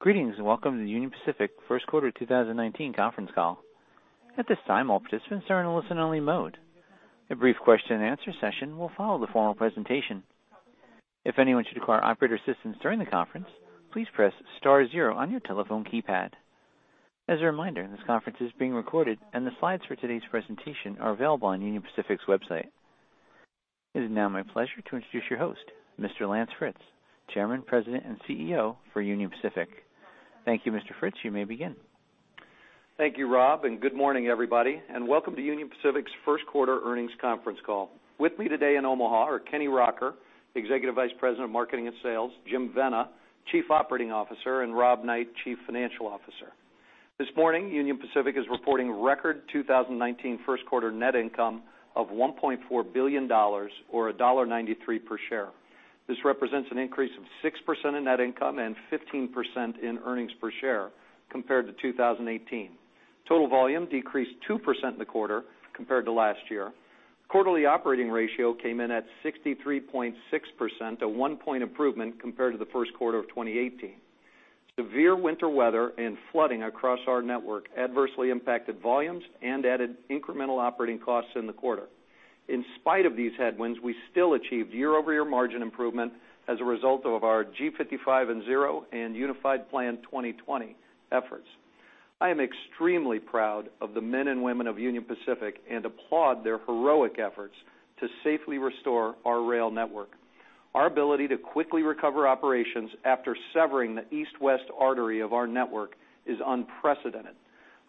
Greetings, and welcome to the Union Pacific first quarter 2019 conference call. At this time, all participants are in a listen-only mode. A brief question-and-answer session will follow the formal presentation. If anyone should require operator assistance during the conference, please press star zero on your telephone keypad. As a reminder, this conference is being recorded, and the slides for today's presentation are available on Union Pacific's website. It is now my pleasure to introduce your host, Mr. Lance Fritz, Chairman, President, and CEO for Union Pacific. Thank you, Mr. Fritz. You may begin. Thank you, Rob, and good morning, everybody, and welcome to Union Pacific's first quarter earnings conference call. With me today in Omaha are Kenny Rocker, Executive Vice President of Marketing and Sales, Jim Vena, Chief Operating Officer, and Rob Knight, Chief Financial Officer. This morning, Union Pacific is reporting record 2019 first quarter net income of $1.4 billion or $1.93 per share. This represents an increase of 6% in net income and 15% in earnings per share compared to 2018. Total volume decreased 2% in the quarter compared to last year. Quarterly operating ratio came in at 63.6%, a one point improvement compared to the first quarter of 2018. Severe winter weather and flooding across our network adversely impacted volumes and added incremental operating costs in the quarter. In spite of these headwinds, we still achieved year-over-year margin improvement as a result of our G55 and Zero and Unified Plan 2020 efforts. I am extremely proud of the men and women of Union Pacific and applaud their heroic efforts to safely restore our rail network. Our ability to quickly recover operations after severing the East-West artery of our network is unprecedented.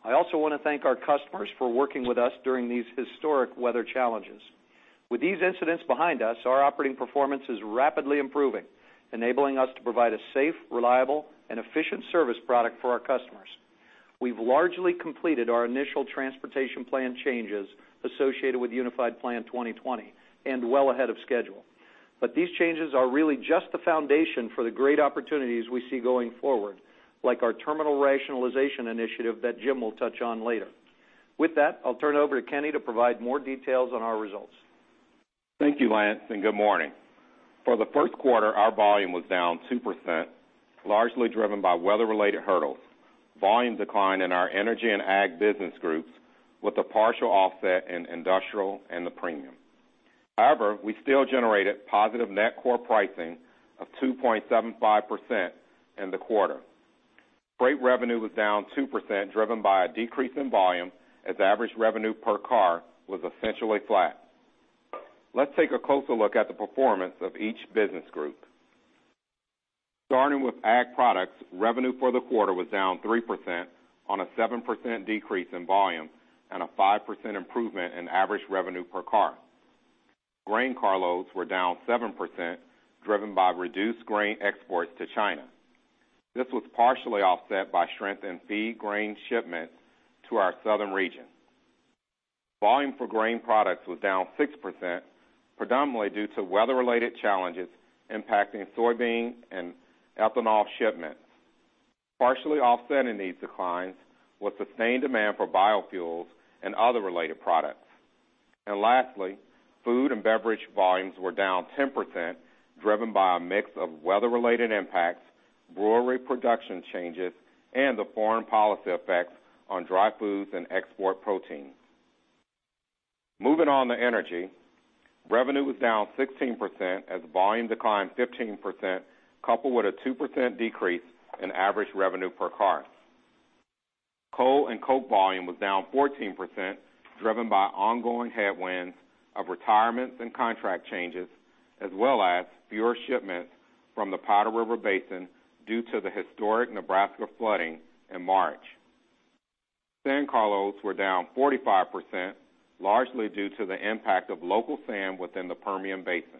I also wanna thank our customers for working with us during these historic weather challenges. With these incidents behind us, our operating performance is rapidly improving, enabling us to provide a safe, reliable, and efficient service product for our customers. We've largely completed our initial transportation plan changes associated with Unified Plan 2020 and well ahead of schedule. These changes are really just the foundation for the great opportunities we see going forward, like our terminal rationalization initiative that Jim will touch on later. With that, I'll turn it over to Kenny to provide more details on our results. Thank you, Lance, and good morning. For the first quarter, our volume was down 2%, largely driven by weather-related hurdles. Volume declined in our Energy and Ag business groups with a partial offset in Industrial and the Premium. We still generated positive net core pricing of 2.75% in the quarter. Freight revenue was down 2%, driven by a decrease in volume as average revenue per car was essentially flat. Let's take a closer look at the performance of each business group. Starting with Ag Products, revenue for the quarter was down 3% on a 7% decrease in volume and a 5% improvement in average revenue per car. Grain carloads were down 7%, driven by reduced grain exports to China. This was partially offset by strength in feed grain shipments to our southern region. Volume for grain products was down 6%, predominantly due to weather-related challenges impacting soybean and ethanol shipments. Partially offsetting these declines was sustained demand for biofuels and other related products. Lastly, food and beverage volumes were down 10%, driven by a mix of weather-related impacts, brewery production changes, and the foreign policy effects on dry foods and export protein. Moving on to energy. Revenue was down 16% as volume declined 15%, coupled with a 2% decrease in average revenue per car. Coal and coke volume was down 14%, driven by ongoing headwinds of retirements and contract changes, as well as fewer shipments from the Powder River Basin due to the historic Nebraska flooding in March. Sand carloads were down 45%, largely due to the impact of local sand within the Permian Basin.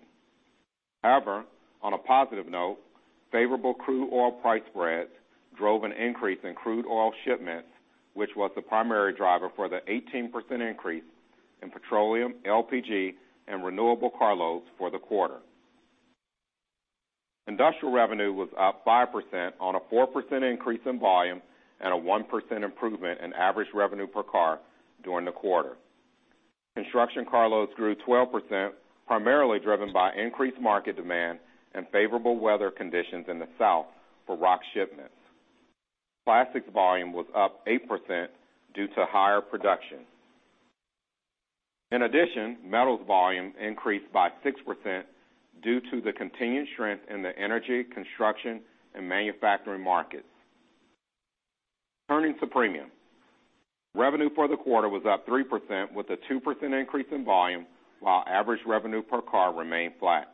However, on a positive note, favorable crude oil price spreads drove an increase in crude oil shipments, which was the primary driver for the 18% increase in petroleum, LPG, and renewable carloads for the quarter. Industrial revenue was up 5% on a 4% increase in volume and a 1% improvement in average revenue per car during the quarter. Construction carloads grew 12%, primarily driven by increased market demand and favorable weather conditions in the South for rock shipments. Plastics volume was up 8% due to higher production. In addition, metals volume increased by 6% due to the continued strength in the energy, construction, and manufacturing markets. Turning to premium. Revenue for the quarter was up 3% with a 2% increase in volume while average revenue per car remained flat.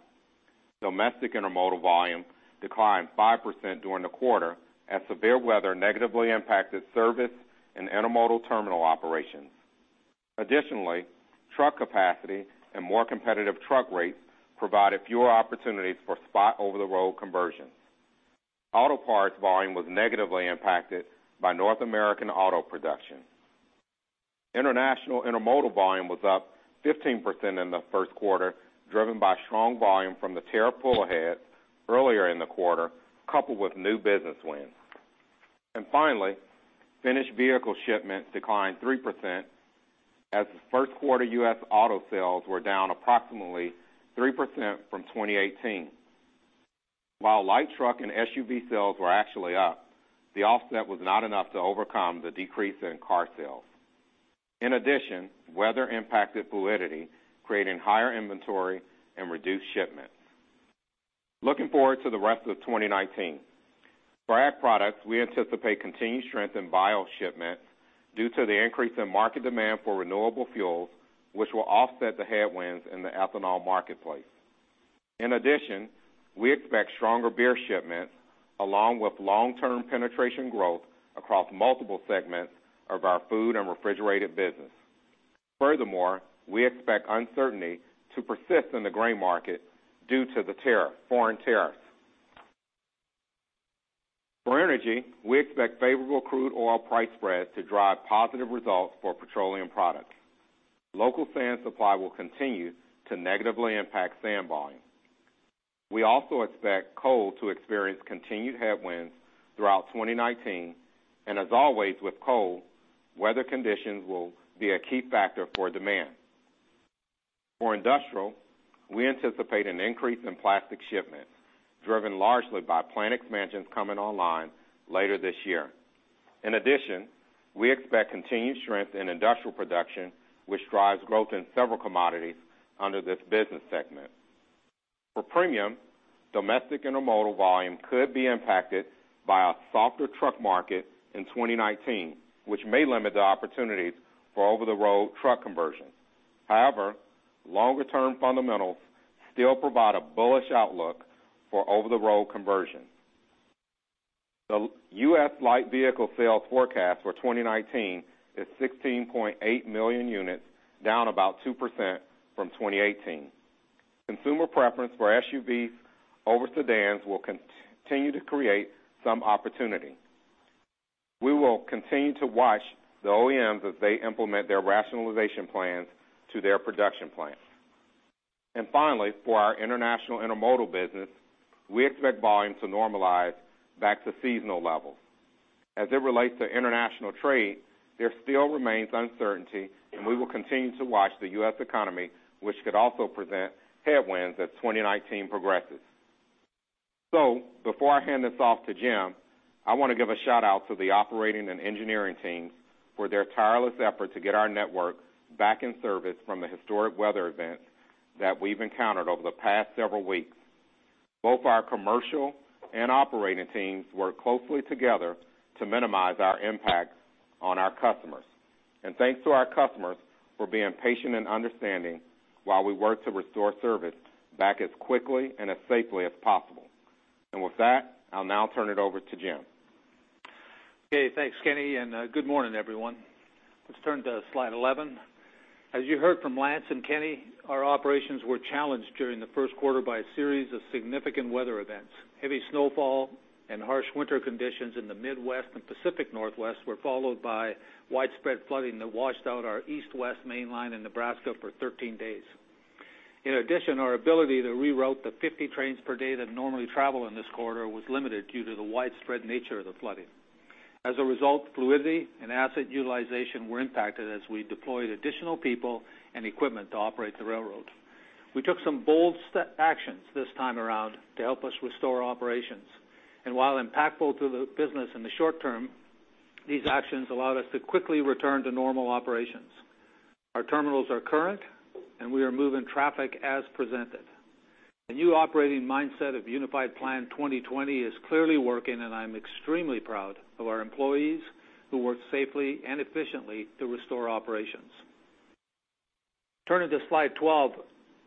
Domestic intermodal volume declined 5% during the quarter as severe weather negatively impacted service and intermodal terminal operations. Additionally, truck capacity and more competitive truck rates provided fewer opportunities for spot over-the-road conversion. Auto parts volume was negatively impacted by North American auto production. International intermodal volume was up 15% in the first quarter, driven by strong volume from the tariff pull ahead earlier in the quarter, coupled with new business wins. Finally, finished vehicle shipments declined 3%. As first quarter U.S. auto sales were down approximately 3% from 2018. While light truck and SUV sales were actually up, the offset was not enough to overcome the decrease in car sales. In addition, weather impacted fluidity, creating higher inventory and reduced shipments. Looking forward to the rest of 2019. For Ag Products, we anticipate continued strength in bio shipments due to the increase in market demand for renewable fuels, which will offset the headwinds in the ethanol marketplace. In addition, we expect stronger beer shipments, along with long-term penetration growth across multiple segments of our food and refrigerated business. Furthermore, we expect uncertainty to persist in the grain market due to the tariff, foreign tariffs. For energy, we expect favorable crude oil price spreads to drive positive results for petroleum products. Local sand supply will continue to negatively impact sand volume. We also expect coal to experience continued headwinds throughout 2019, and as always with coal, weather conditions will be a key factor for demand. For industrial, we anticipate an increase in plastic shipments, driven largely by plant expansions coming online later this year. In addition, we expect continued strength in industrial production, which drives growth in several commodities under this business segment. For premium, domestic intermodal volume could be impacted by a softer truck market in 2019, which may limit the opportunities for over-the-road truck conversion. Longer term fundamentals still provide a bullish outlook for over-the-road conversion. The U.S. light vehicle sales forecast for 2019 is 16.8 million units, down about 2% from 2018. Consumer preference for SUVs over sedans will continue to create some opportunity. We will continue to watch the OEMs as they implement their rationalization plans to their production plan. Finally, for our international intermodal business, we expect volume to normalize back to seasonal levels. As it relates to international trade, there still remains uncertainty, and we will continue to watch the U.S. economy, which could also present headwinds as 2019 progresses. Before I hand this off to Jim, I want to give a shout-out to the operating and engineering teams for their tireless effort to get our network back in service from the historic weather events that we've encountered over the past several weeks. Both our commercial and operating teams worked closely together to minimize our impact on our customers. Thanks to our customers for being patient and understanding while we worked to restore service back as quickly and as safely as possible. With that, I'll now turn it over to Jim. Okay, thanks, Kenny, and good morning, everyone. Let's turn to slide 11. As you heard from Lance and Kenny, our operations were challenged during the first quarter by a series of significant weather events. Heavy snowfall and harsh winter conditions in the Midwest and Pacific Northwest were followed by widespread flooding that washed out our east/west mainline in Nebraska for 13 days. Our ability to reroute the 50 trains per day that normally travel in this corridor was limited due to the widespread nature of the flooding. Fluidity and asset utilization were impacted as we deployed additional people and equipment to operate the railroad. We took some bold actions this time around to help us restore operations, and while impactful to the business in the short term, these actions allowed us to quickly return to normal operations. Our terminals are current, and we are moving traffic as presented. The new operating mindset of Unified Plan 2020 is clearly working, and I am extremely proud of our employees who worked safely and efficiently to restore operations. Turning to slide 12,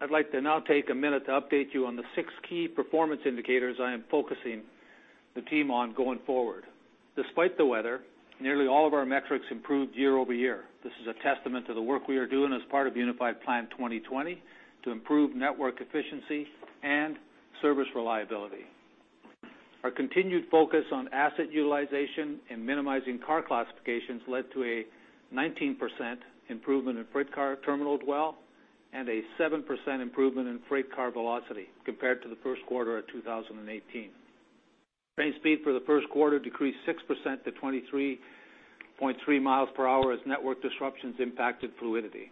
I'd like to now take a minute to update you on the six Key Performance Indicators I am focusing the team on going forward. Despite the weather, nearly all of our metrics improved year-over-year. This is a testament to the work we are doing as part of Unified Plan 2020 to improve network efficiency and service reliability. Our continued focus on asset utilization and minimizing car classifications led to a 19% improvement in freight car terminal dwell and a 7% improvement in freight car velocity compared to the first quarter of 2018. Train speed for the first quarter decreased 6% to 23.3 mi per hour as network disruptions impacted fluidity.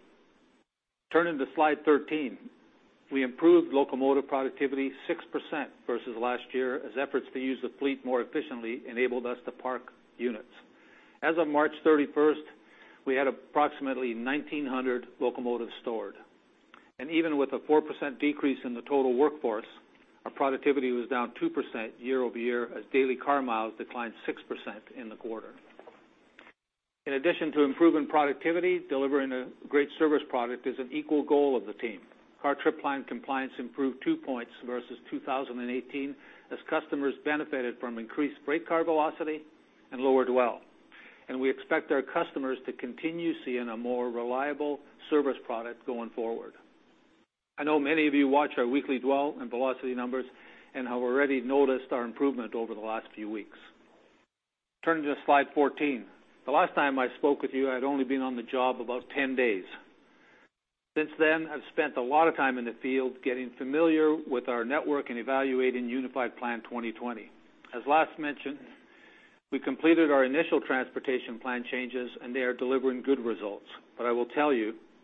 Turning to slide 13, we improved locomotive productivity 6% versus last year, as efforts to use the fleet more efficiently enabled us to park units. As of March 31st, we had approximately 1,900 locomotives stored. Even with a 4% decrease in the total workforce, our productivity was down 2% year-over-year as daily car miles declined 6% in the quarter. In addition to improving productivity, delivering a great service product is an equal goal of the team. Car trip plan compliance improved two points versus 2018 as customers benefited from increased freight car velocity and lower dwell. We expect our customers to continue seeing a more reliable service product going forward. I know many of you watch our weekly dwell and velocity numbers and have already noticed our improvement over the last few weeks. Turning to slide 14. The last time I spoke with you, I'd only been on the job about 10 days. Since then, I've spent a lot of time in the field getting familiar with our network and evaluating Unified Plan 2020. As last mentioned, we completed our initial transportation plan changes, and they are delivering good results. I will tell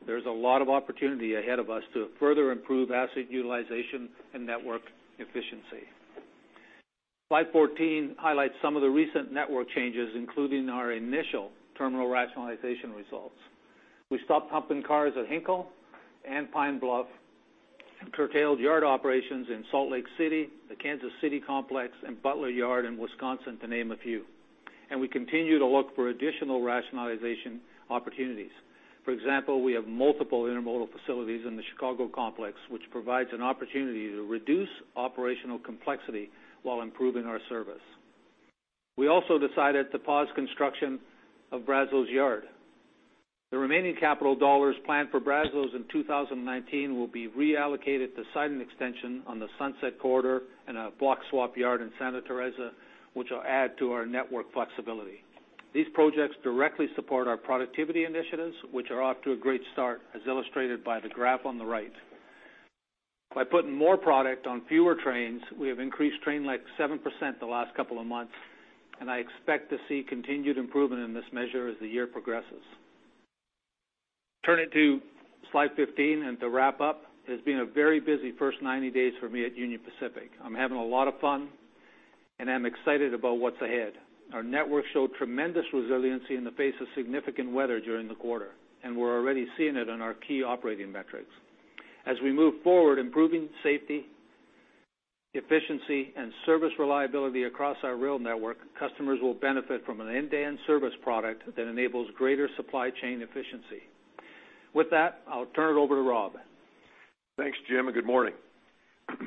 you, there's a lot of opportunity ahead of us to further improve asset utilization and network efficiency. Slide 14 highlights some of the recent network changes, including our initial terminal rationalization results. We stopped humping cars at Hinkle and Pine Bluff, curtailed yard operations in Salt Lake City, the Kansas City complex, and Butler Yard in Wisconsin, to name a few. We continue to look for additional rationalization opportunities. For example, we have multiple intermodal facilities in the Chicago complex, which provides an opportunity to reduce operational complexity while improving our service. We also decided to pause construction of Brazos Yard. The remaining capital dollars planned for Brazos in 2019 will be reallocated to siding extension on the Sunset Corridor and a block swap yard in Santa Teresa, which will add to our network flexibility. These projects directly support our productivity initiatives, which are off to a great start, as illustrated by the graph on the right. By putting more product on fewer trains, we have increased train length 7% the last couple of months, and I expect to see continued improvement in this measure as the year progresses. Turn it to slide 15 and to wrap up. It's been a very busy first 90 days for me at Union Pacific. I'm having a lot of fun, and I'm excited about what's ahead. Our network showed tremendous resiliency in the face of significant weather during the quarter, and we're already seeing it in our key operating metrics. As we move forward, improving safety, efficiency, and service reliability across our rail network, customers will benefit from an end-to-end service product that enables greater supply chain efficiency. With that, I'll turn it over to Rob. Thanks, Jim, and good morning.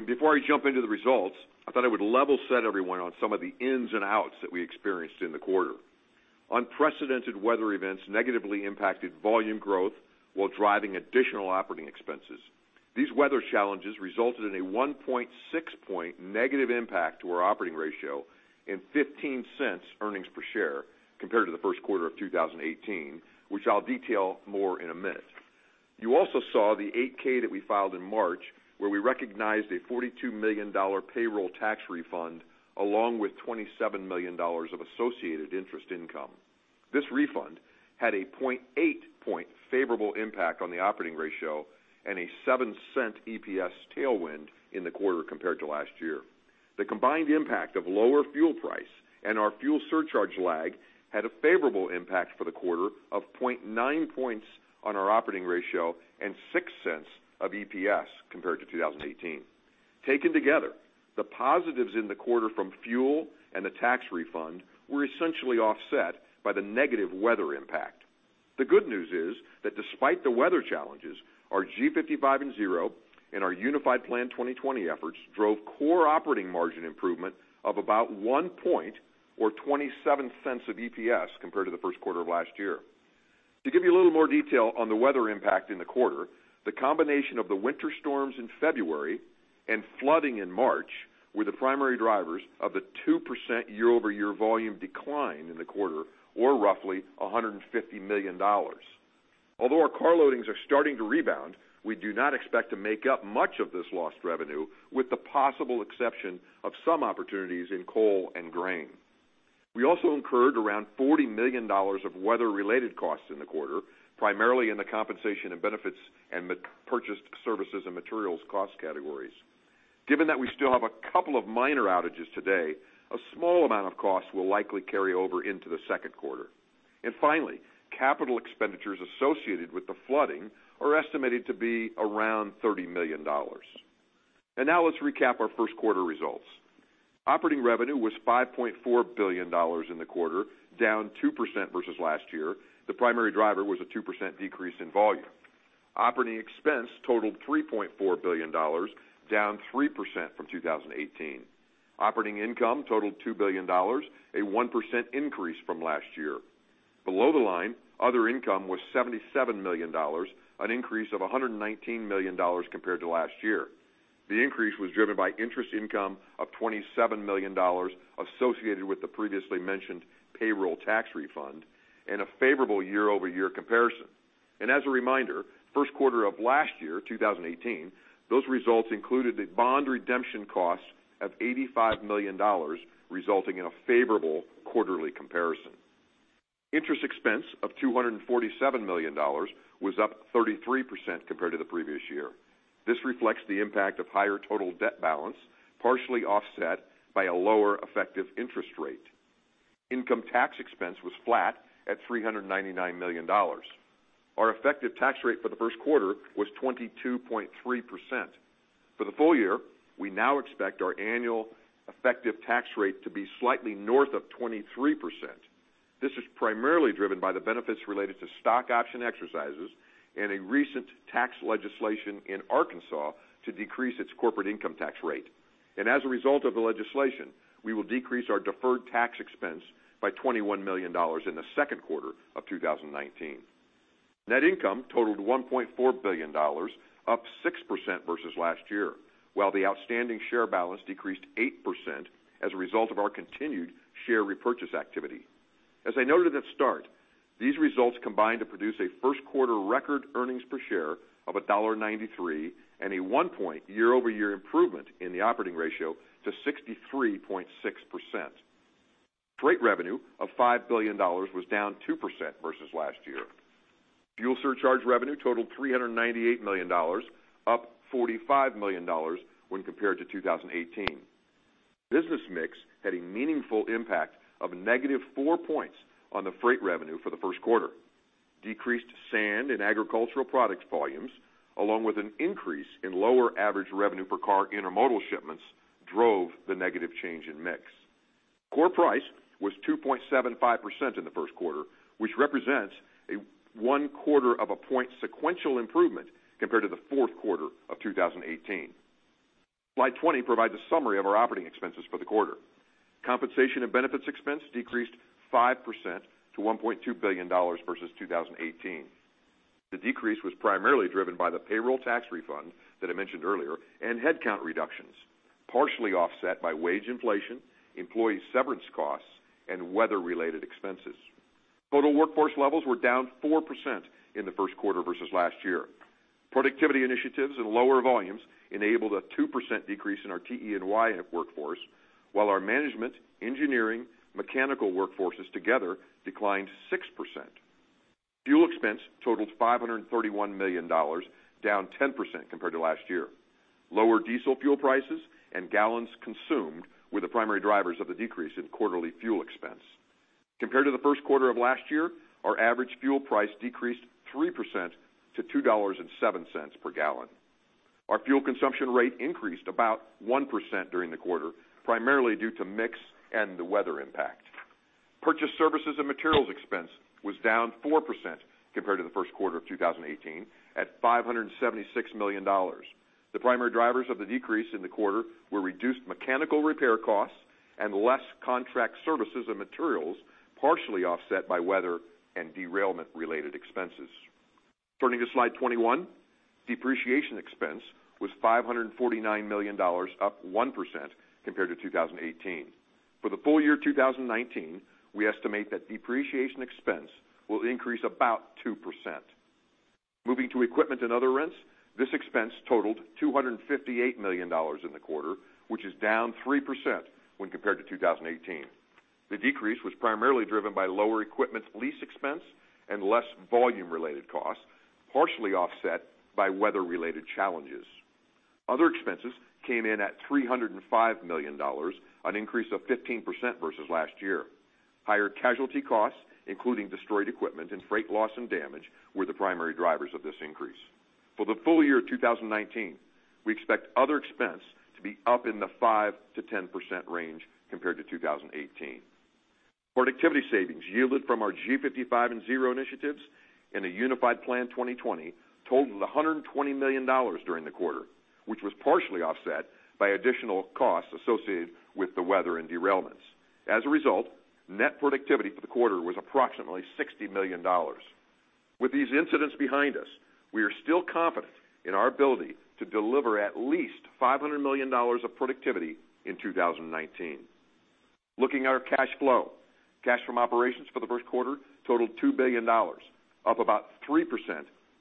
Before I jump into the results, I thought I would level set everyone on some of the ins and outs that we experienced in the quarter. Unprecedented weather events negatively impacted volume growth while driving additional operating expenses. These weather challenges resulted in a 1.6 point negative impact to our operating ratio and $0.15 earnings per share compared to the first quarter of 2018, which I'll detail more in a minute. You also saw the 8-K that we filed in March, where we recognized a $42 million payroll tax refund along with $27 million of associated interest income. This refund had a 0.8 point favorable impact on the operating ratio and a $0.07 EPS tailwind in the quarter compared to last year. The combined impact of lower fuel price and our fuel surcharge lag had a favorable impact for the quarter of 0.9 points on our operating ratio and $0.06 of EPS compared to 2018. Taken together, the positives in the quarter from fuel and the tax refund were essentially offset by the negative weather impact. The good news is that despite the weather challenges, our G55 and Zero and our Unified Plan 2020 efforts drove core operating margin improvement of about one point or $0.27 of EPS compared to the first quarter of last year. To give you a little more detail on the weather impact in the quarter, the combination of the winter storms in February and flooding in March were the primary drivers of the 2% year-over-year volume decline in the quarter, or roughly $150 million. Although our car loadings are starting to rebound, we do not expect to make up much of this lost revenue with the possible exception of some opportunities in coal and grain. We also incurred around $40 million of weather-related costs in the quarter, primarily in the compensation and benefits and the Purchased Services and Materials cost categories. Given that we still have a couple of minor outages today, a small amount of costs will likely carry over into the second quarter. Finally, capital expenditures associated with the flooding are estimated to be around $30 million. Now let's recap our first quarter results. Operating revenue was $5.4 billion in the quarter, down 2% versus last year. The primary driver was a 2% decrease in volume. Operating expense totaled $3.4 billion, down 3% from 2018. Operating income totaled $2 billion, a 1% increase from last year. Below the line, other income was $77 million, an increase of $119 million compared to last year. The increase was driven by interest income of $27 million associated with the previously mentioned payroll tax refund and a favorable year-over-year comparison. As a reminder, first quarter of last year, 2018, those results included the bond redemption cost of $85 million, resulting in a favorable quarterly comparison. Interest expense of $247 million was up 33% compared to the previous year. This reflects the impact of higher total debt balance, partially offset by a lower effective interest rate. Income tax expense was flat at $399 million. Our effective tax rate for the first quarter was 22.3%. For the full year, we now expect our annual effective tax rate to be slightly north of 23%. This is primarily driven by the benefits related to stock option exercises and a recent tax legislation in Arkansas to decrease its corporate income tax rate. As a result of the legislation, we will decrease our deferred tax expense by $21 million in the second quarter of 2019. Net income totaled $1.4 billion, up 6% versus last year, while the outstanding share balance decreased 8% as a result of our continued share repurchase activity. As I noted at start, these results combined to produce a first quarter record earnings per share of $1.93 and a one point year-over-year improvement in the operating ratio to 63.6%. Freight revenue of $5 billion was down 2% versus last year. Fuel surcharge revenue totaled $398 million, up $45 million when compared to 2018. Business mix had a meaningful impact of -4 points on the freight revenue for the first quarter. Decreased sand and agricultural products volumes, along with an increase in lower average revenue per car intermodal shipments drove the negative change in mix. Core price was 2.75% in the first quarter, which represents a one-quarter of a point sequential improvement compared to the fourth quarter of 2018. Slide 20 provides a summary of our operating expenses for the quarter. Compensation and benefits expense decreased 5% to $1.2 billion versus 2018. The decrease was primarily driven by the payroll tax refund that I mentioned earlier and headcount reductions, partially offset by wage inflation, employee severance costs, and weather-related expenses. Total workforce levels were down 4% in the first quarter versus last year. Productivity initiatives and lower volumes enabled a 2% decrease in our TE&Y workforce, while our management, engineering, mechanical workforces together declined 6%. Fuel expense totaled $531 million, down 10% compared to last year. Lower diesel fuel prices and gallons consumed were the primary drivers of the decrease in quarterly fuel expense. Compared to the first quarter of last year, our average fuel price decreased 3% to $2.07 per gallon. Our fuel consumption rate increased about 1% during the quarter, primarily due to mix and the weather impact. Purchase services and materials expense was down 4% compared to the first quarter of 2018 at $576 million. The primary drivers of the decrease in the quarter were reduced mechanical repair costs and less contract services and materials, partially offset by weather and derailment-related expenses. Turning to slide 21. Depreciation expense was $549 million, up 1% compared to 2018. For the full year 2019, we estimate that depreciation expense will increase about 2%. Moving to equipment and other rents, this expense totaled $258 million in the quarter, which is down 3% when compared to 2018. The decrease was primarily driven by lower equipment lease expense and less volume-related costs, partially offset by weather-related challenges. Other expenses came in at $305 million, an increase of 15% versus last year. Higher casualty costs, including destroyed equipment and freight loss and damage, were the primary drivers of this increase. For the full year 2019, we expect other expense to be up in the 5%-10% range compared to 2018. Productivity savings yielded from our G55 and Zero initiatives in Unified Plan 2020 totaled $120 million during the quarter, which was partially offset by additional costs associated with the weather and derailments. As a result, net productivity for the quarter was approximately $60 million. With these incidents behind us, we are still confident in our ability to deliver at least $500 million of productivity in 2019. Looking at our cash flow. Cash from operations for the first quarter totaled $2 billion, up about 3%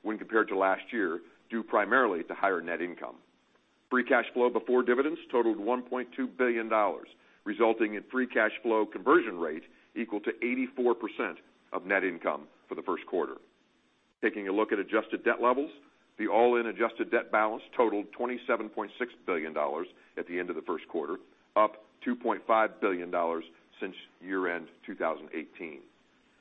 when compared to last year, due primarily to higher net income. Free cash flow before dividends totaled $1.2 billion, resulting in free cash flow conversion rate equal to 84% of net income for the first quarter. Taking a look at adjusted debt levels, the all-in adjusted debt balance totaled $27.6 billion at the end of the first quarter, up $2.5 billion since year-end 2018.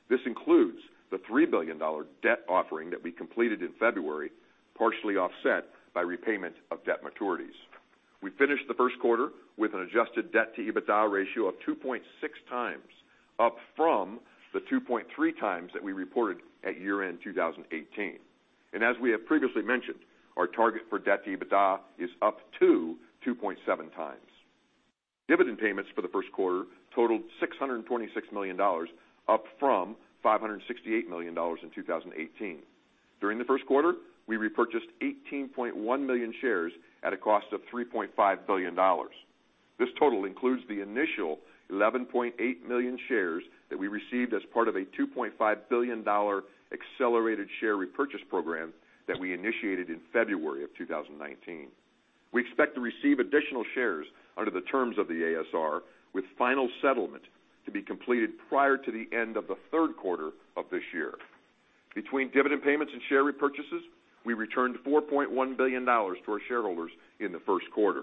This includes the $3 billion debt offering that we completed in February, partially offset by repayment of debt maturities. We finished the first quarter with an adjusted debt-to-EBITDA ratio of 2.6x, up from the 2.3x that we reported at year-end 2018. As we have previously mentioned, our target for debt-to-EBITDA is up to 2.7x. Dividend payments for the first quarter totaled $626 million, up from $568 million in 2018. During the first quarter, we repurchased 18.1 million shares at a cost of $3.5 billion. This total includes the initial 11.8 million shares that we received as part of a $2.5 billion accelerated share repurchase program that we initiated in February of 2019. We expect to receive additional shares under the terms of the ASR with final settlement to be completed prior to the end of the third quarter of this year. Between dividend payments and share repurchases, we returned $4.1 billion to our shareholders in the first quarter.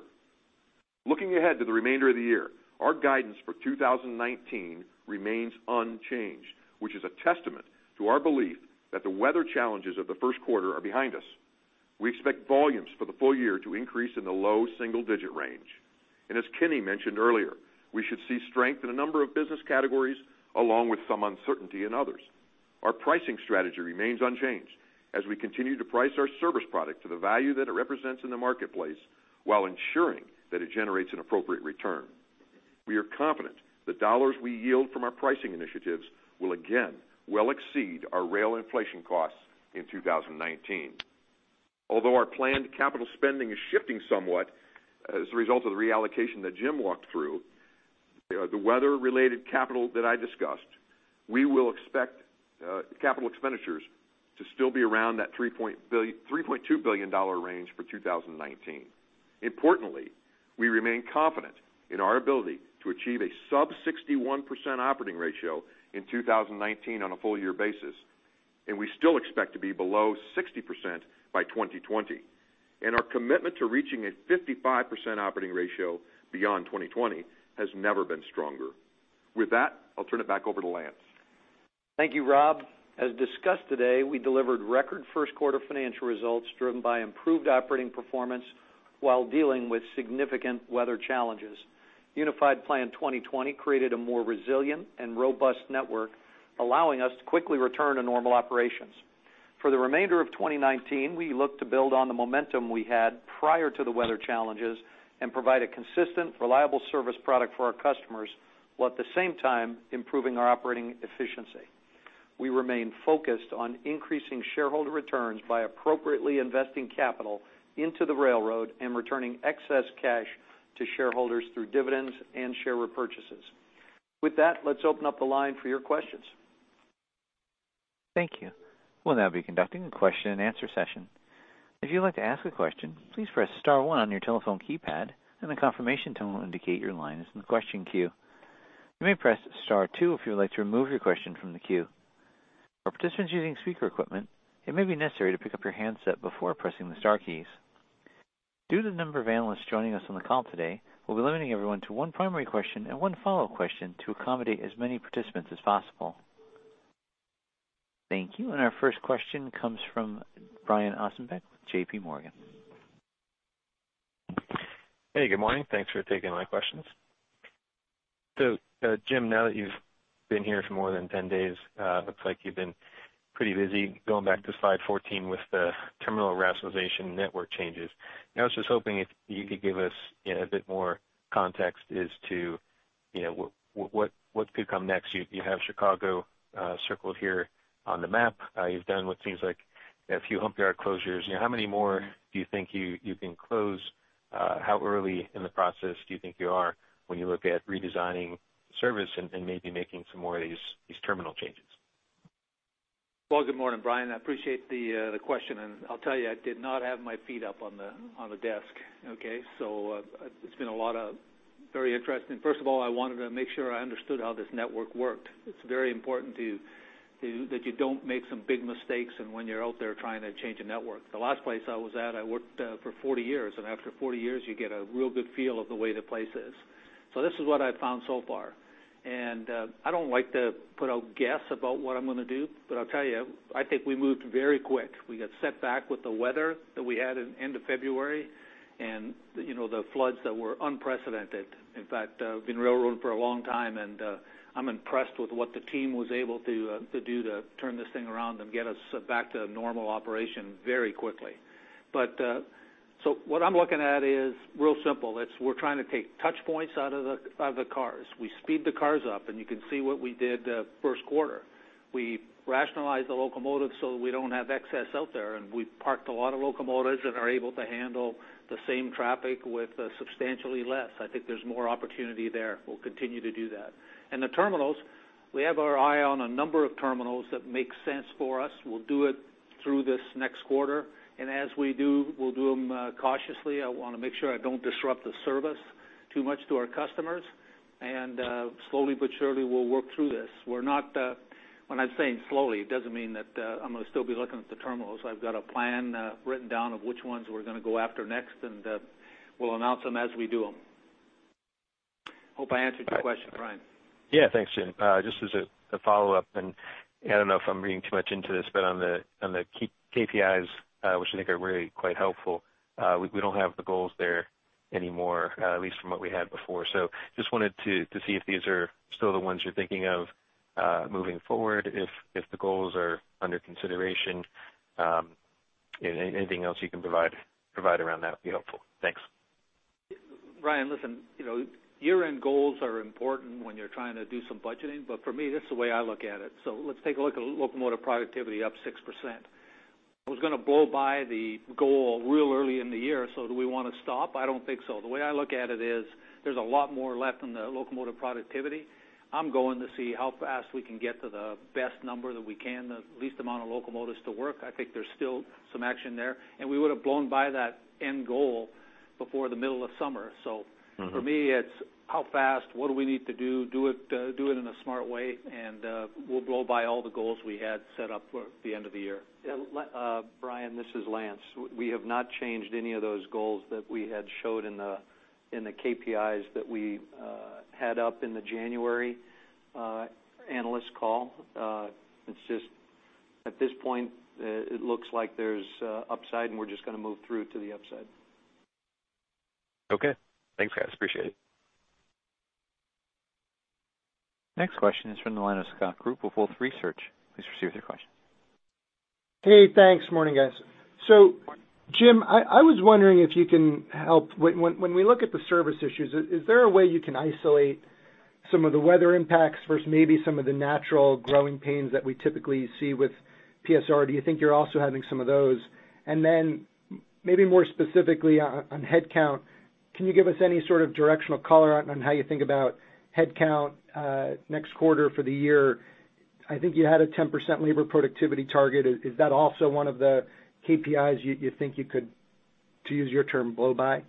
Looking ahead to the remainder of the year, our guidance for 2019 remains unchanged, which is a testament to our belief that the weather challenges of the first quarter are behind us. As Kenny mentioned earlier, we should see strength in a number of business categories along with some uncertainty in others. Our pricing strategy remains unchanged as we continue to price our service product to the value that it represents in the marketplace while ensuring that it generates an appropriate return. We are confident the dollars we yield from our pricing initiatives will again well exceed our rail inflation costs in 2019. Although our planned capital spending is shifting somewhat as a result of the reallocation that Jim walked through, the weather-related capital that I discussed, we will expect capital expenditures to still be around that $3.2 billion range for 2019. Importantly, we remain confident in our ability to achieve a sub 61% operating ratio in 2019 on a full year basis, and we still expect to be below 60% by 2020. Our commitment to reaching a 55% operating ratio beyond 2020 has never been stronger. With that, I'll turn it back over to Lance. Thank you, Rob. As discussed today, we delivered record first quarter financial results driven by improved operating performance while dealing with significant weather challenges. Unified Plan 2020 created a more resilient and robust network, allowing us to quickly return to normal operations. For the remainder of 2019, we look to build on the momentum we had prior to the weather challenges and provide a consistent, reliable service product for our customers, while at the same time, improving our operating efficiency. We remain focused on increasing shareholder returns by appropriately investing capital into the railroad and returning excess cash to shareholders through dividends and share repurchases. With that, let's open up the line for your questions. Thankyou we will now be conducting question and answer session. If you would like to ask a question, please press star one on your telephone keypad. Press star two if you want to remove yourself from the question queue. Our first question comes from Brian Ossenbeck, JPMorgan. Hey, good morning. Thanks for taking my questions. Jim, now that you've been here for more than 10 days, looks like you've been pretty busy going back to slide 14 with the terminal rationalization network changes. I was just hoping if you could give us a bit more context as to what could come next. You have Chicago circled here on the map. You've done what seems like a few hump yard closures. How many more do you think you can close? How early in the process do you think you are when you look at redesigning service and maybe making some more of these terminal changes? Good morning, Brian. I appreciate the question, and I'll tell you, I did not have my feet up on the desk, okay? First of all, I wanted to make sure I understood how this network worked. It's very important that you don't make some big mistakes and when you're out there trying to change a network. The last place I was at, I worked for 40 years, and after 40 years, you get a real good feel of the way the place is. This is what I found so far. I don't like to put out guess about what I'm gonna do, but I'll tell you, I think we moved very quick. We got set back with the weather that we had in end of February and, you know, the floods that were unprecedented. In fact, been railroading for a long time, and I'm impressed with what the team was able to do to turn this thing around and get us back to normal operation very quickly. What I'm looking at is real simple. It's we're trying to take touch points out of the, out of the cars. We speed the cars up, and you can see what we did, first quarter. We rationalized the locomotives so that we don't have excess out there, and we parked a lot of locomotives and are able to handle the same traffic with, substantially less. I think there's more opportunity there. We'll continue to do that. The terminals, we have our eye on a number of terminals that make sense for us. We'll do it through this next quarter, and as we do, we'll do them cautiously. I wanna make sure I don't disrupt the service too much to our customers. Slowly but surely, we'll work through this. We're not. When I'm saying slowly, it doesn't mean that I'm gonna still be looking at the terminals. I've got a plan written down of which ones we're gonna go after next, and, we'll announce them as we do them. Hope I answered your question, Brian. Yeah. Thanks, Jim. Just as a follow-up, and I don't know if I'm reading too much into this, but on the KPIs, which I think are really quite helpful, we don't have the goals there anymore, at least from what we had before. Just wanted to see if these are still the ones you're thinking of, moving forward, if the goals are under consideration. Anything else you can provide around that would be helpful. Thanks. Brian, listen, you know, year-end goals are important when you're trying to do some budgeting, for me, this is the way I look at it. Let's take a look at locomotive productivity up 6%. I was gonna blow by the goal real early in the year, do we wanna stop? I don't think so. The way I look at it is there's a lot more left in the locomotive productivity. I'm going to see how fast we can get to the best number that we can, the least amount of locomotives to work. I think there's still some action there. We would have blown by that end goal before the middle of summer. For me, it's how fast, what do we need to do it, do it in a smart way, and, we'll blow by all the goals we had set up for the end of the year. Yeah. Let Brian, this is Lance. We have not changed any of those goals that we had showed in the KPIs that we had up in the January analyst call. It's just at this point, it looks like there's upside, we're just gonna move through to the upside. Okay. Thanks, guys. Appreciate it. Next question is from the line of Scott Group with Wolfe Research. Please proceed with your question. Hey, thanks. Morning, guys. Jim, I was wondering if you can help. When we look at the service issues, is there a way you can isolate some of the weather impacts versus maybe some of the natural growing pains that we typically see with PSR. Do you think you're also having some of those? Then maybe more specifically on headcount, can you give us any sort of directional color on how you think about headcount next quarter for the year? I think you had a 10% labor productivity target. Is that also one of the KPIs you think you could, to use your term, blow by?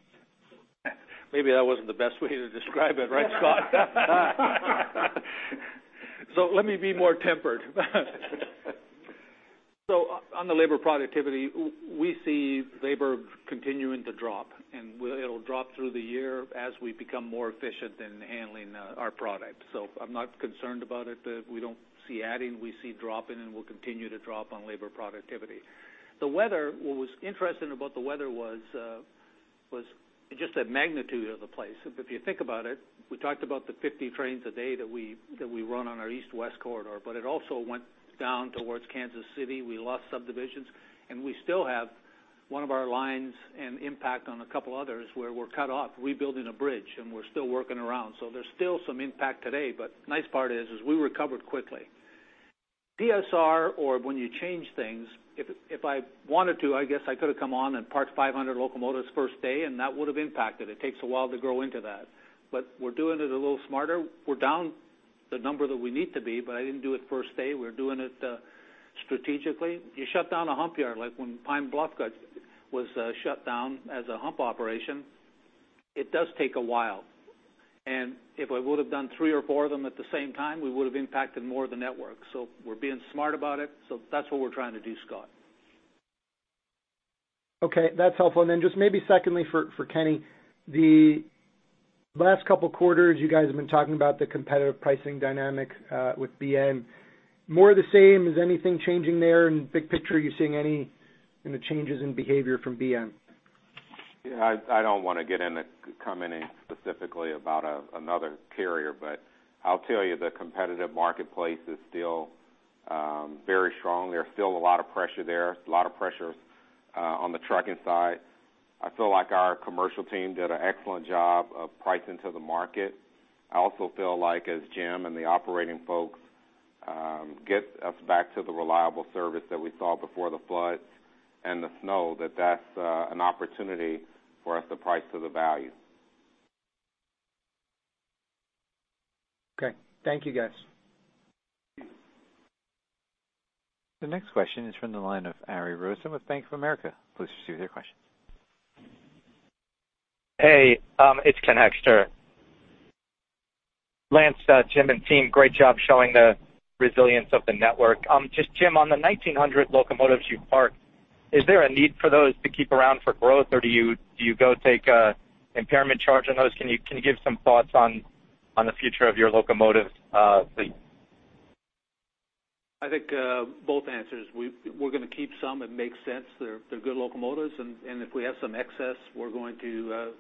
Maybe that wasn't the best way to describe it, right, Scott? Let me be more tempered. On the labor productivity, we see labor continuing to drop, and it'll drop through the year as we become more efficient in handling, our product. I'm not concerned about it. We don't see adding, we see dropping, and we'll continue to drop on labor productivity. The weather, what was interesting about the weather was just the magnitude of the place. If, if you think about it, we talked about the 50 trains a day that we, that we run on our east/west corridor, but it also went down towards Kansas City. We lost subdivisions, and we still have one of our lines and impact on a couple others where we're cut off. Rebuilding a bridge, and we're still working around. There's still some impact today, but nice part is we recovered quickly. PSR, when you change things, if I wanted to, I guess I could have come on and parked 500 locomotives first day, that would've impacted. It takes a while to grow into that. We're doing it a little smarter. We're down the number that we need to be, but I didn't do it first day. We're doing it strategically. You shut down a hump yard, like when Pine Bluff was shut down as a hump operation, it does take a while. If I would've done three or four of them at the same time, we would've impacted more of the network. We're being smart about it. That's what we're trying to do, Scott. Okay, that's helpful. Just maybe secondly for Kenny, the last couple quarters, you guys have been talking about the competitive pricing dynamic with BN. More of the same? Is anything changing there? In big picture, are you seeing any changes in behavior from BN? Yeah, I don't wanna get into commenting specifically about another carrier, but I'll tell you, the competitive marketplace is still very strong. There's still a lot of pressure there. There's a lot of pressure on the trucking side. I feel like our commercial team did an excellent job of pricing to the market. I also feel like, as Jim and the operating folks, get us back to the reliable service that we saw before the floods and the snow, that that's an opportunity for us to price to the value. Okay. Thank you, guys. The next question is from the line of Eric Rosen with Bank of America. Please proceed with your question. Hey, it's Ken Hoexter. Lance, Jim, and team, great job showing the resilience of the network. Just Jim, on the 1,900 locomotives you parked, is there a need for those to keep around for growth, or do you go take a impairment charge on those? Can you give some thoughts on the future of your locomotive fleet? I think both answers. We're gonna keep some. It makes sense. They're good locomotives, and if we have some excess, we're going to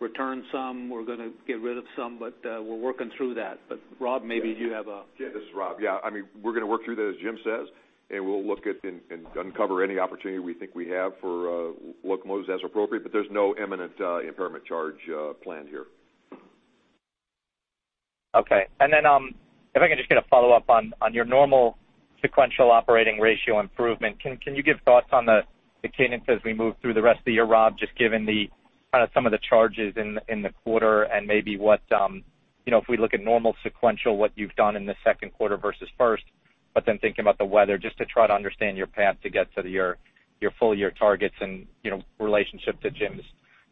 return some. We're gonna get rid of some. We're working through that. Rob, maybe you have a- Yeah, this is Rob. I mean, we're gonna work through that, as Jim says, and we'll look at and uncover any opportunity we think we have for locomotives as appropriate, but there's no imminent impairment charge planned here. Okay. Then, if I can just get a follow-up on your normal sequential operating ratio improvement, can you give thoughts on the cadence as we move through the rest of the year, Rob, just given the kind of some of the charges in the quarter and maybe what, you know, if we look at normal sequential, what you've done in the second quarter versus first, but then thinking about the weather, just to try to understand your path to get to your full year targets and, you know, relationship to Jim's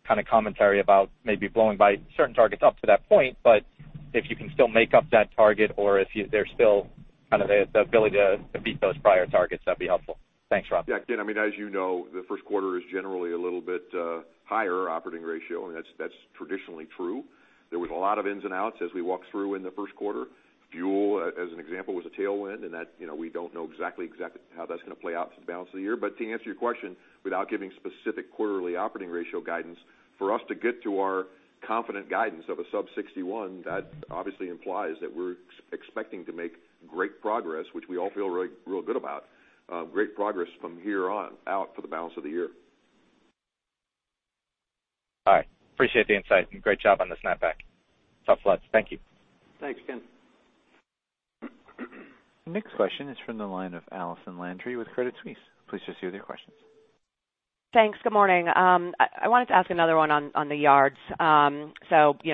kind of commentary about maybe blowing by certain targets up to that point. If you can still make up that target or there's still kind of the ability to beat those prior targets, that'd be helpful. Thanks, Rob. Yeah, Ken, I mean, as you know, the first quarter is generally a little bit higher operating ratio, and that's traditionally true. There was a lot of ins and outs as we walked through in the first quarter. Fuel, as an example, was a tailwind, and that, you know, we don't know exactly how that's going to play out for the balance of the year. To answer your question, without giving specific quarterly operating ratio guidance, for us to get to our confident guidance of a sub 61, that obviously implies that we're expecting to make great progress, which we all feel real good about, great progress from here on out for the balance of the year. All right. Appreciate the insight and great job on the snapback. Tough floods. Thank you. Thanks, Ken. The next question is from the line of Allison Landry with Credit Suisse. Please just hear their questions. Thanks. Good morning. I wanted to ask another one on the yards. You know,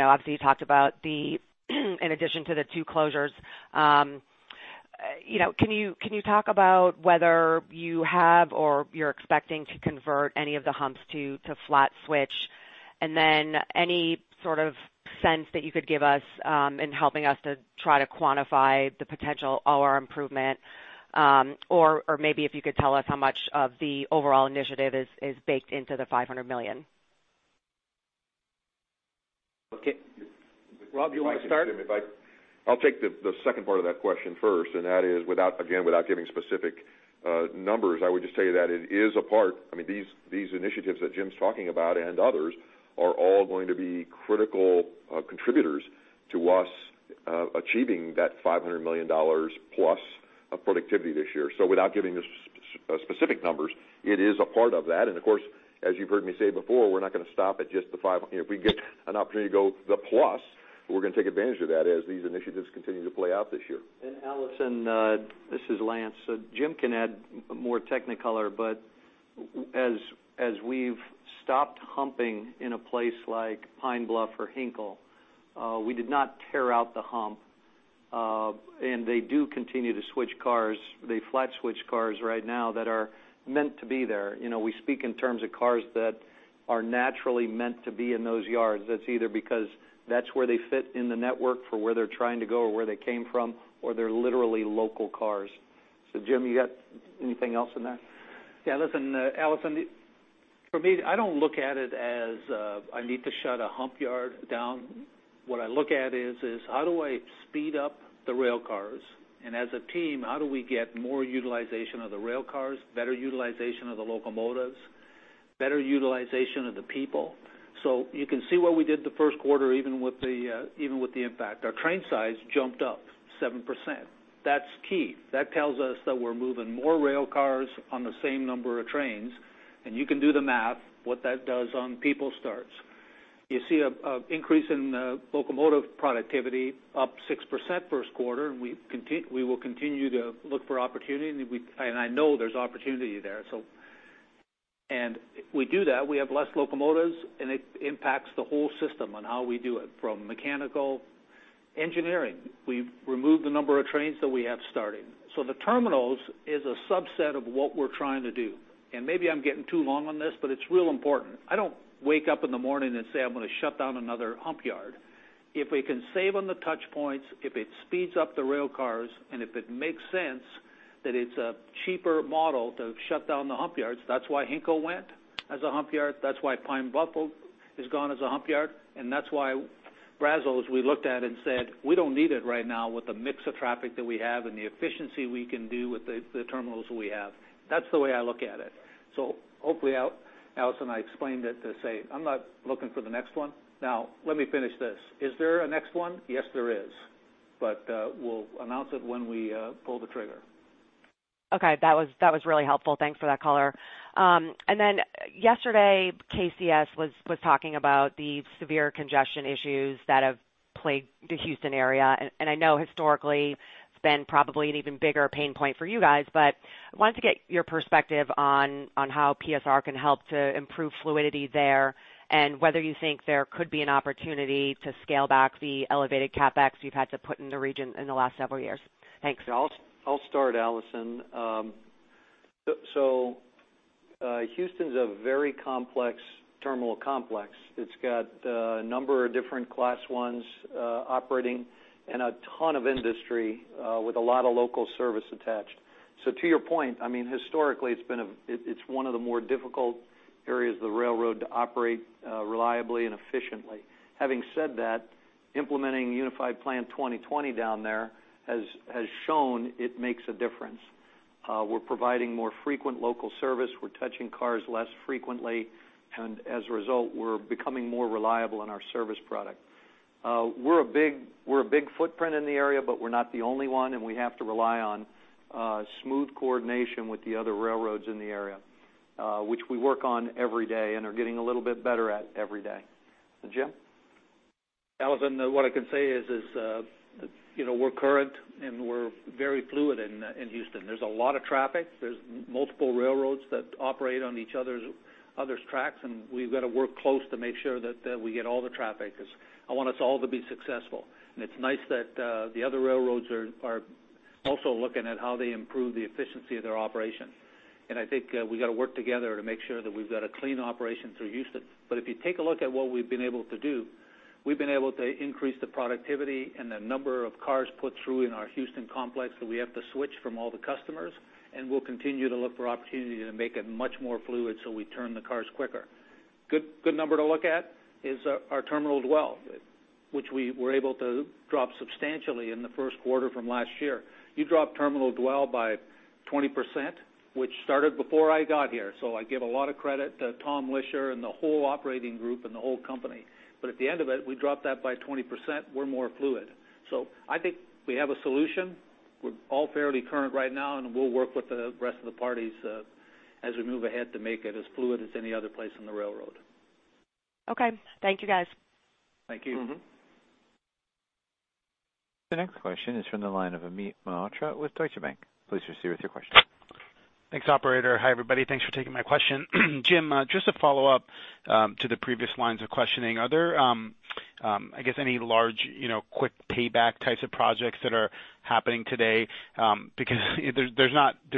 obviously you talked about the in addition to the two closures, you know, can you talk about whether you have or you're expecting to convert any of the humps to flat switch? Any sort of sense that you could give us in helping us to try to quantify the potential OR improvement, or maybe if you could tell us how much of the overall initiative is baked into the $500 million. Okay. Rob, do you wanna start? I'll take the second part of that question first, and that is, without, again, without giving specific numbers, I would just tell you that it is a part. I mean, these initiatives that Jim's talking about and others are all going to be critical contributors to us achieving that $500 million+ of productivity this year. Specific numbers, it is a part of that. Of course, as you've heard me say before, we're not gonna stop at just the five. You know, if we get an opportunity to go the plus, we're gonna take advantage of that as these initiatives continue to play out this year. Allison, this is Lance. Jim can add more technicolor, but as we've stopped humping in a place like Pine Bluff or Hinkle, we did not tear out the hump. They do continue to switch cars. They flat switch cars right now that are meant to be there. You know, we speak in terms of cars that are naturally meant to be in those yards. That's either because that's where they fit in the network for where they're trying to go or where they came from, or they're literally local cars. Jim, you got anything else on that? Yeah. Listen, Allison, for me, I don't look at it as I need to shut a hump yard down. What I look at is how do I speed up the rail cars? As a team, how do we get more utilization of the rail cars, better utilization of the locomotives, better utilization of the people? You can see what we did the first quarter, even with the impact. Our train size jumped up 7%. That's key. That tells us that we're moving more rail cars on the same number of trains, and you can do the math, what that does on people starts. You see a increase in locomotive productivity up 6% first quarter, and we will continue to look for opportunity, and I know there's opportunity there. If we do that, we have less locomotives, and it impacts the whole system on how we do it from mechanical engineering. We've removed the number of trains that we have starting. The terminals is a subset of what we're trying to do. Maybe I'm getting too long on this, but it's real important. I don't wake up in the morning and say, "I'm gonna shut down another hump yard." If we can save on the touch points, if it speeds up the rail cars, and if it makes sense that it's a cheaper model to shut down the hump yards, that's why Hinkle went as a hump yard, that's why Pine Bluff is gone as a hump yard, and that's why Brazos, we looked at and said, "We don't need it right now with the mix of traffic that we have and the efficiency we can do with the terminals we have." That's the way I look at it. Hopefully, Allison, I explained it to say, I'm not looking for the next one. Now let me finish this. Is there a next one? Yes, there is. We'll announce it when we pull the trigger. Okay. That was really helpful. Thanks for that color. Then yesterday, KCS was talking about the severe congestion issues that have plagued the Houston area. I know historically it's been probably an even bigger pain point for you guys, but I wanted to get your perspective on how PSR can help to improve fluidity there and whether you think there could be an opportunity to scale back the elevated CapEx you've had to put in the region in the last several years. Thanks. I'll start, Allison. Houston's a very complex terminal complex. It's got a number of different class ones, operating and a ton of industry, with a lot of local service attached. To your point, I mean, historically it's one of the more difficult areas of the railroad to operate reliably and efficiently. Having said that, implementing Unified Plan 2020 down there has shown it makes a difference. We're providing more frequent local service. We're touching cars less frequently, as a result, we're becoming more reliable in our service product. We're a big footprint in the area, but we're not the only one, and we have to rely on smooth coordination with the other railroads in the area, which we work on every day and are getting a little bit better at every day. Jim? Allison, what I can say is, you know, we're current and we're very fluid in Houston. There's a lot of traffic. There's multiple railroads that operate on each other's tracks, and we've got to work close to make sure that we get all the traffic because I want us all to be successful. It's nice that the other railroads are also looking at how they improve the efficiency of their operation. I think we got to work together to make sure that we've got a clean operation through Houston. If you take a look at what we've been able to do, we've been able to increase the productivity and the number of cars put through in our Houston complex that we have to switch from all the customers, and we'll continue to look for opportunities to make it much more fluid so we turn the cars quicker. Good number to look at is our terminal dwell, which we were able to drop substantially in the first quarter from last year. You drop terminal dwell by 20%, which started before I got here, so I give a lot of credit to Tom Lischer and the whole operating group and the whole company. At the end of it, we dropped that by 20%, we're more fluid. I think we have a solution. We're all fairly current right now, and we'll work with the rest of the parties, as we move ahead to make it as fluid as any other place on the railroad. Okay. Thank you, guys. Thank you. The next question is from the line of Amit Mehrotra with Deutsche Bank. Please proceed with your question. Thanks, operator. Hi, everybody. Thanks for taking my question. Jim, just to follow up to the previous lines of questioning, are there, I guess any large, you know, quick payback types of projects that are happening today? Because there's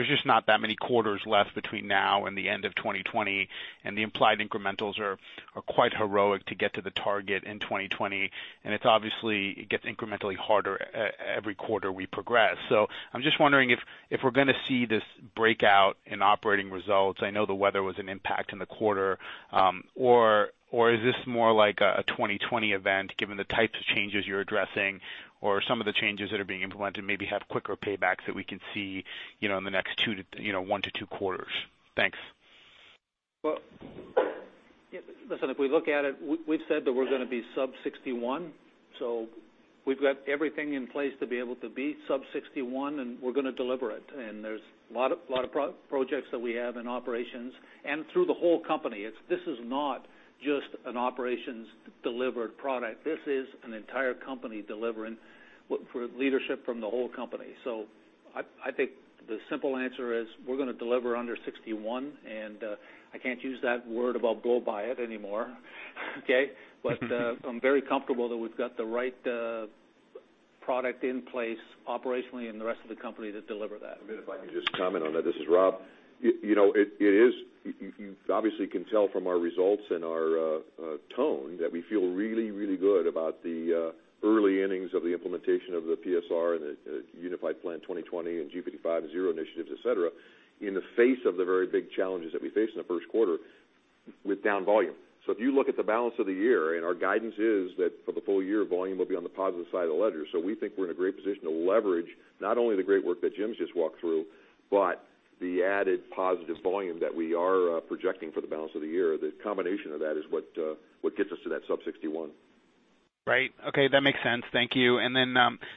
just not that many quarters left between now and the end of 2020, and the implied incrementals are quite heroic to get to the target in 2020, and it's obviously, it gets incrementally harder every quarter we progress. I'm just wondering if we're gonna see this breakout in operating results. I know the weather was an impact in the quarter, or is this more like a 2020 event given the types of changes you're addressing or some of the changes that are being implemented maybe have quicker paybacks that we can see, you know, in the next two to, you know, one to two quarters? Thanks. Listen, if we look at it, we've said that we're gonna be sub 61. We've got everything in place to be able to be sub 61, and we're gonna deliver it. There's a lot of projects that we have in operations and through the whole company. This is not just an operations delivered product. This is an entire company delivering for leadership from the whole company. I think the simple answer is we're gonna deliver under 61, and I can't use that word about go by it anymore. Okay? I'm very comfortable that we've got the right product in place operationally and the rest of the company to deliver that. If I can just comment on that. This is Rob. You obviously can tell from our results and our tone that we feel really, really good about the early innings of the implementation of the PSR and the Unified Plan 2020 and G55 + 0 initiatives, et cetera, in the face of the very big challenges that we faced in the first quarter with down volume. If you look at the balance of the year, and our guidance is that for the full year, volume will be on the positive side of the ledger. We think we're in a great position to leverage not only the great work that Jim's just walked through, but the added positive volume that we are projecting for the balance of the year. The combination of that is what gets us to that sub 61. Right. Okay, that makes sense. Thank you.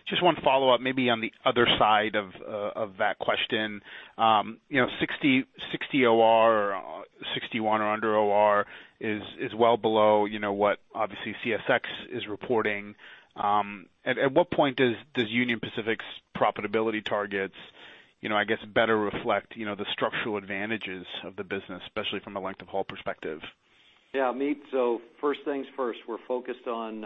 Just one follow-up maybe on the other side of that question. You know, 60 OR or 61 or under OR is well below, you know, what obviously CSX is reporting. At what point does Union Pacific's profitability targets, you know, I guess, better reflect, you know, the structural advantages of the business, especially from a length of haul perspective? Yeah, Amit, first things first, we're focused on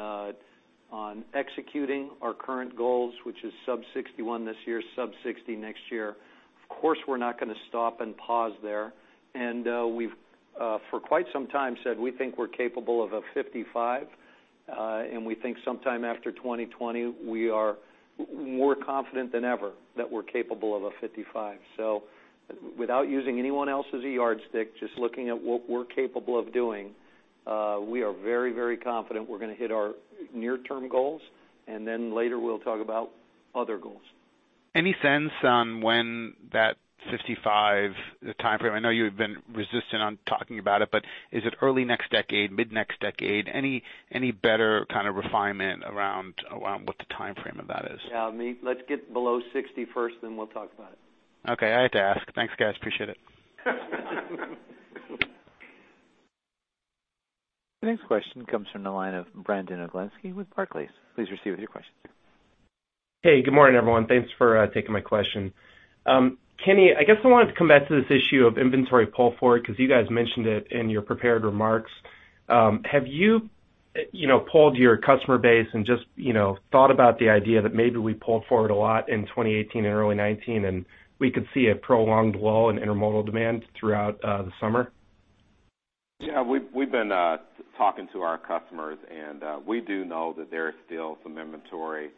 executing our current goals, which is sub 61% this year, sub 60% next year. Of course, we're not gonna stop and pause there. We've for quite some time said we think we're capable of a 55%, and we think sometime after 2020, we are more confident than ever that we're capable of a 55%. Without using anyone else's yardstick, just looking at what we're capable of doing, we are very, very confident we're gonna hit our near-term goals, and then later we'll talk about other goals. Any sense on when that 55, the timeframe, I know you've been resistant on talking about it, but is it early next decade, mid next decade? Any better kind of refinement around what the timeframe of that is? Yeah, Amit, let's get below 60 first, then we'll talk about it. Okay, I had to ask. Thanks, guys. Appreciate it. The next question comes from the line of Brandon Oglenski with Barclays. Please proceed with your question. Hey, good morning, everyone. Thanks for taking my question. Kenny, I guess I wanted to come back to this issue of inventory pull forward because you guys mentioned it in your prepared remarks. Have you know, polled your customer base and just, you know, thought about the idea that maybe we pulled forward a lot in 2018 and early 2019, and we could see a prolonged lull in intermodal demand throughout the summer? Yeah, we've been talking to our customers, and we do know that there is still some inventory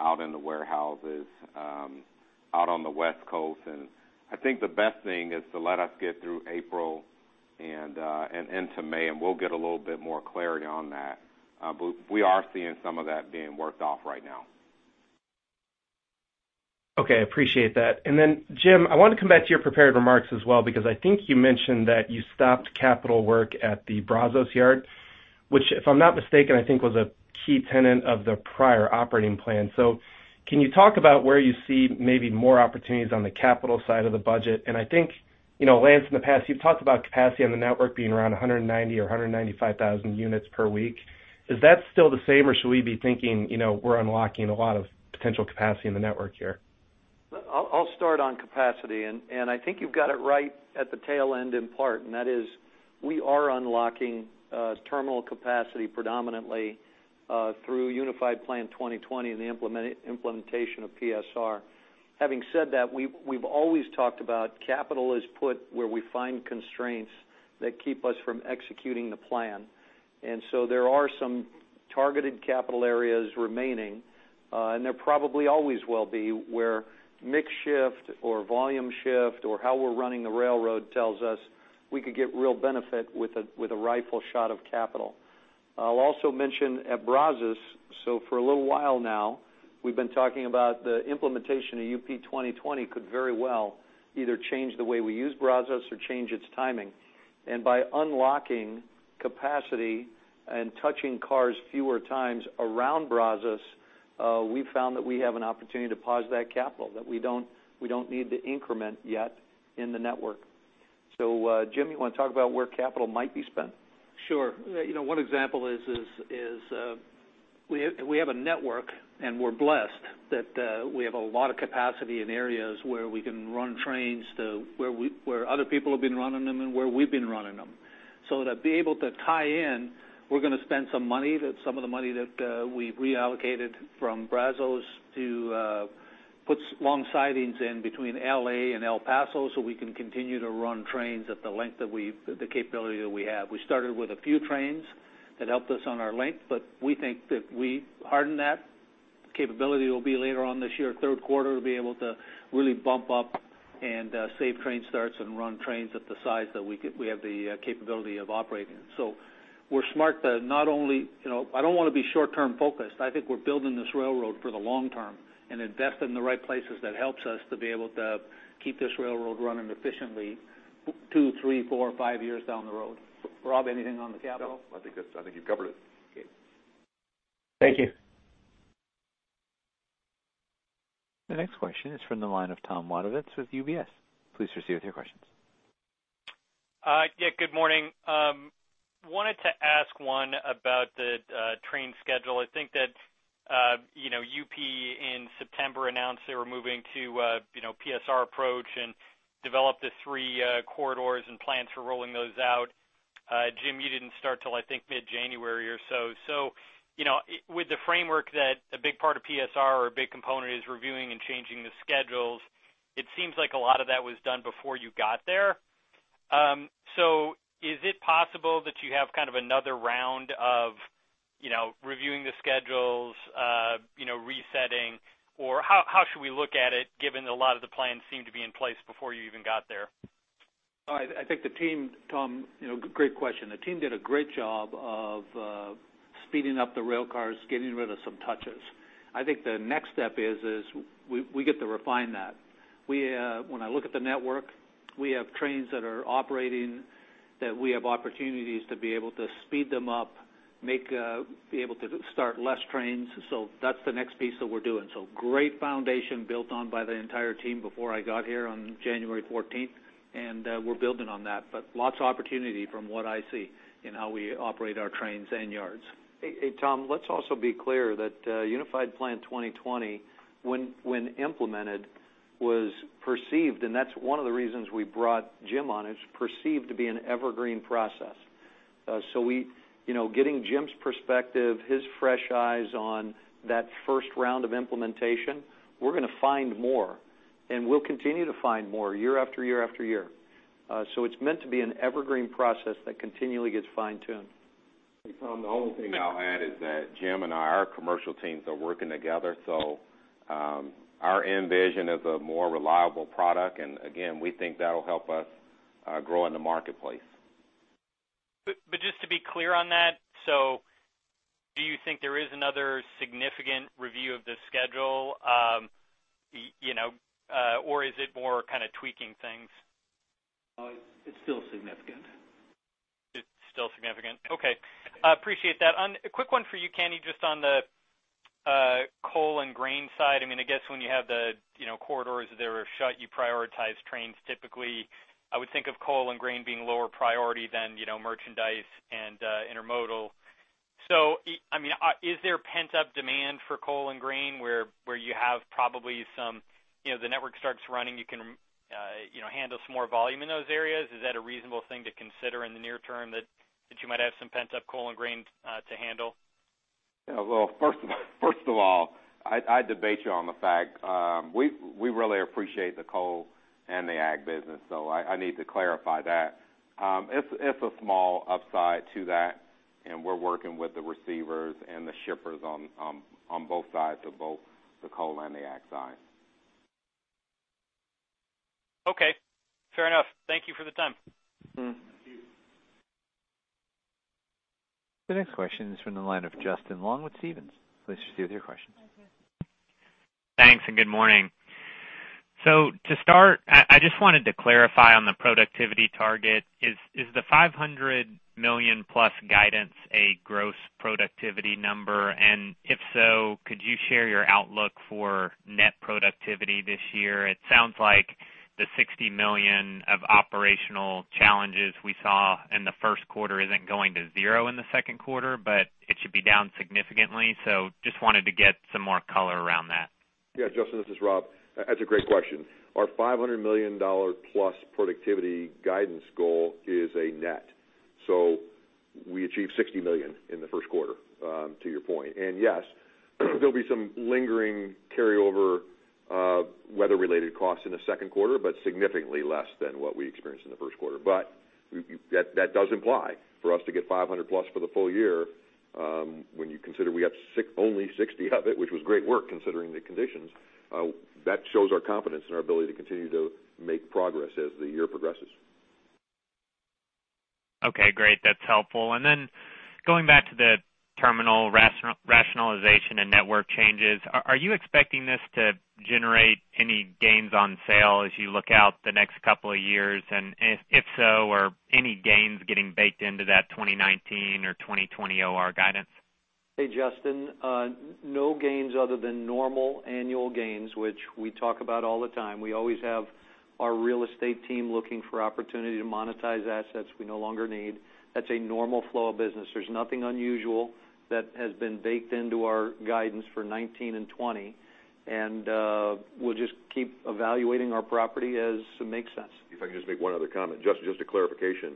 out in the warehouses, out on the West Coast. I think the best thing is to let us get through April and into May, and we'll get a little bit more clarity on that. But we are seeing some of that being worked off right now. Okay. I appreciate that. Jim, I wanna come back to your prepared remarks as well because I think you mentioned that you stopped capital work at the Brazos Yard, which, if I'm not mistaken, I think was a key tenet of the prior operating plan. Can you talk about where you see maybe more opportunities on the capital side of the budget? I think, you know, Lance, in the past, you've talked about capacity on the network being around 190,000 or 195,000 units per week. Is that still the same, or should we be thinking, you know, we're unlocking a lot of potential capacity in the network here? I'll start on capacity, and I think you've got it right at the tail end in part, and that is, we are unlocking terminal capacity predominantly through Unified Plan 2020 and the implementation of PSR. Having said that, we've always talked about capital is put where we find constraints that keep us from executing the plan. There are some targeted capital areas remaining, and there probably always will be, where mix shift or volume shift or how we're running the railroad tells us we could get real benefit with a rifle shot of capital. I'll also mention at Brazos, for a little while now, we've been talking about the implementation of Unified Plan 2020 could very well either change the way we use Brazos or change its timing. By unlocking capacity and touching cars fewer times around Brazos, we've found that we have an opportunity to pause that capital, that we don't need to increment yet in the network. Jim, you wanna talk about where capital might be spent? Sure. You know, one example is, we have a network, and we're blessed that we have a lot of capacity in areas where we can run trains to where other people have been running them and where we've been running them. To be able to tie in, we're gonna spend some money, that some of the money that we've reallocated from Brazos to put long sidings in between L.A. and El Paso so we can continue to run trains at the length that the capability that we have. We started with a few trains that helped us on our length, we think that we hardened that. Capability will be later on this year, third quarter, to be able to really bump up and save train starts and run trains at the size that we have the capability of operating. We're smart to not only, you know, I don't wanna be short-term focused. I think we're building this railroad for the long term and invest in the right places that helps us to be able to keep this railroad running efficiently two, three, four, five years down the road. Rob, anything on the capital? No, I think you've covered it. Okay. Thank you. The next question is from the line of Tom Wadewitz with UBS. Please proceed with your questions. Yeah, good morning. Wanted to ask one about the train schedule. I think that, you know, UP in September announced they were moving to, you know, PSR approach and developed the three corridors and plans for rolling those out. Jim, you didn't start till, I think, mid-January or so. You know, with the framework that a big part of PSR or a big component is reviewing and changing the schedules, it seems like a lot of that was done before you got there. Is it possible that you have kind of another round of, you know, reviewing the schedules, you know, resetting? How, how should we look at it, given a lot of the plans seem to be in place before you even got there? I think the team, Tom, you know, great question. The team did a great job of speeding up the rail cars, getting rid of some touches. I think the next step is we get to refine that. We, when I look at the network, we have trains that are operating that we have opportunities to be able to speed them up, make be able to start less trains. That's the next piece that we're doing. Great foundation built on by the entire team before I got here on January 14th, and we're building on that. Lots of opportunity from what I see in how we operate our trains and yards. Hey, hey, Tom, let's also be clear that Unified Plan 2020, when implemented, was perceived, and that's one of the reasons we brought Jim on, it's perceived to be an evergreen process. You know, getting Jim's perspective, his fresh eyes on that first round of implementation, we're gonna find more, and we'll continue to find more year after year after year. It's meant to be an evergreen process that continually gets fine-tuned. Hey, Tom, the only thing I'll add is that Jim and I, our commercial teams are working together, so, our end vision is a more reliable product. Again, we think that'll help us grow in the marketplace. Just to be clear on that, do you think there is another significant review of the schedule, you know, or is it more kind of tweaking things? It's still significant. It's still significant. Okay. Appreciate that. A quick one for you, Kenny, just on the coal and grain side. I mean, I guess when you have the, you know, corridors that are shut, you prioritize trains typically. I would think of coal and grain being lower priority than, you know, merchandise and intermodal. I mean, is there pent-up demand for coal and grain where you have probably some, you know, the network starts running, you can, you know, handle some more volume in those areas? Is that a reasonable thing to consider in the near term that you might have some pent-up coal and grain to handle? Well, first of all, I debate you on the fact, we really appreciate the coal and the ag business, so I need to clarify that. It's a small upside to that, and we're working with the receivers and the shippers on both sides of both the coal and the ag side. Okay, fair enough. Thank you for the time. The next question is from the line of Justin Long with Stephens. Please proceed with your question. Thanks, and good morning. To start, I just wanted to clarify on the productivity target. Is the $500 million+ guidance a gross productivity number? If so, could you share your outlook for net productivity this year? It sounds like the $60 million of operational challenges we saw in the first quarter isn't going to zero in the second quarter, but it should be down significantly. Just wanted to get some more color around that. Yeah, Justin, this is Rob. That's a great question. Our $500 million+ productivity guidance goal is a net. We achieved $60 million in the first quarter, to your point. Yes, there'll be some lingering carryover weather-related costs in the second quarter, but significantly less than what we experienced in the first quarter. That does imply for us to get $500+ for the full year, when you consider we have only $60 of it, which was great work considering the conditions, that shows our confidence and our ability to continue to make progress as the year progresses. Okay, great. That's helpful. Then going back to the terminal rationalization and network changes, are you expecting this to generate any gains on sale as you look out the next couple of years? If so, are any gains getting baked into that 2019 or 2020 OR guidance? Hey, Justin. No gains other than normal annual gains, which we talk about all the time. We always have our real estate team looking for opportunity to monetize assets we no longer need. That's a normal flow of business. There's nothing unusual that has been baked into our guidance for 2019 and 2020, and we'll just keep evaluating our property as it makes sense. If I can just make one other comment, Justin, just a clarification.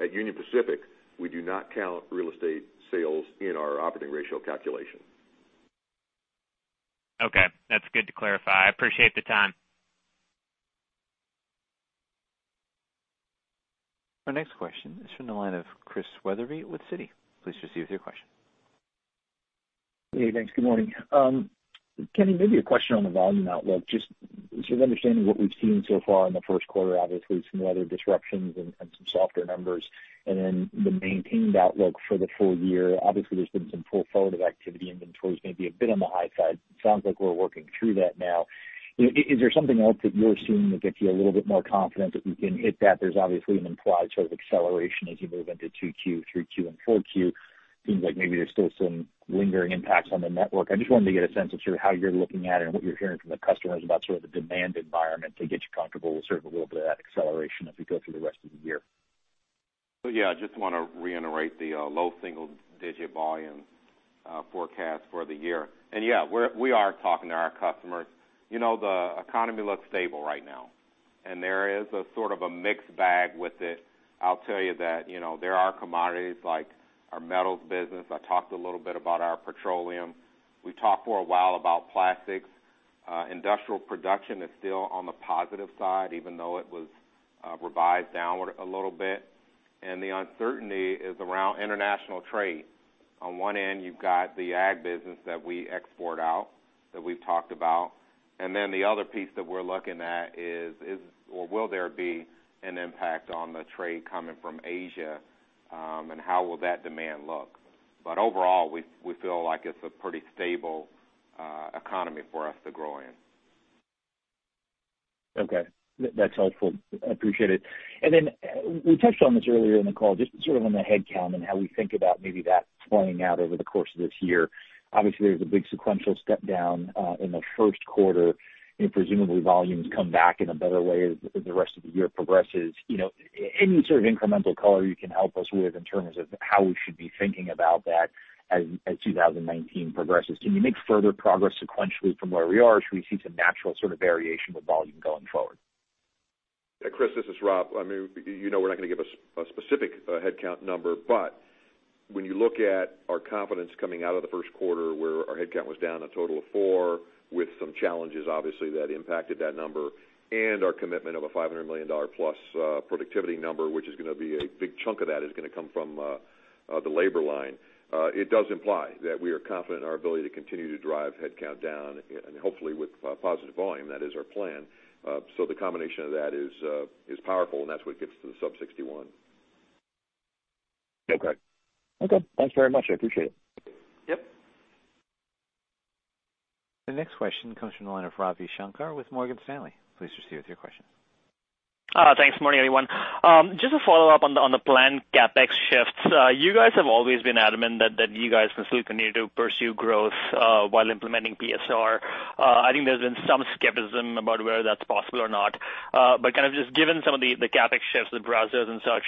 At Union Pacific, we do not count real estate sales in our operating ratio calculation. Okay. That's good to clarify. I appreciate the time. Our next question is from the line of Chris Wetherbee with Citi. Please proceed with your question. Hey, thanks. Good morning. Kenny, maybe a question on the volume outlook, just sort of understanding what we've seen so far in the first quarter, obviously some weather disruptions and some softer numbers, and then the maintained outlook for the full year. Obviously, there's been some portfolio activity, inventory is maybe a bit on the high side. Sounds like we're working through that now. Is there something else that you're seeing that gets you a little bit more confident that you can hit that? There's obviously an implied sort of acceleration as you move into 2Q, 3Q, and 4Q. Seems like maybe there's still some lingering impacts on the network. I just wanted to get a sense of sort of how you're looking at it and what you're hearing from the customers about sort of the demand environment to get you comfortable with sort of a little bit of that acceleration as we go through the rest of the year. I just wanna reiterate the low single-digit volume forecast for the year. We are talking to our customers. You know, the economy looks stable right now, and there is a sort of a mixed bag with it. I'll tell you that, you know, there are commodities like our metals business. I talked a little bit about our petroleum. We talked for a while about plastics. Industrial production is still on the positive side, even though it was revised downward a little bit. The uncertainty is around international trade. On one end, you've got the ag business that we export out, that we've talked about. The other piece that we're looking at is or will there be an impact on the trade coming from Asia, and how will that demand look? Overall, we feel like it's a pretty stable economy for us to grow in. Okay. That's helpful. I appreciate it. Then, we touched on this earlier in the call, just sort of on the headcount and how we think about maybe that playing out over the course of this year. Obviously, there's a big sequential step down in the first quarter, and presumably volumes come back in a better way as the rest of the year progresses. You know, any sort of incremental color you can help us with in terms of how we should be thinking about that as 2019 progresses. Can you make further progress sequentially from where we are? Should we see some natural sort of variation with volume going forward? Yeah, Chris, this is Rob. I mean, you know we're not gonna give a specific headcount number, but when you look at our confidence coming out of the first quarter, where our headcount was down a total of four with some challenges, obviously, that impacted that number and our commitment of a $500 million+ productivity number, which is gonna be a big chunk of that is gonna come from the labor line. It does imply that we are confident in our ability to continue to drive headcount down and hopefully with positive volume. That is our plan. The combination of that is powerful, and that's what gets to the sub 61. Okay. Okay. Thanks very much. I appreciate it. Yep. The next question comes from the line of Ravi Shanker with Morgan Stanley. Please proceed with your question. Thanks. Morning, everyone. Just to follow up on the planned CapEx shifts. You guys have always been adamant that you guys can still continue to pursue growth while implementing PSR. I think there's been some skepticism about whether that's possible or not. Kind of just given some of the CapEx shifts with Brazos and such,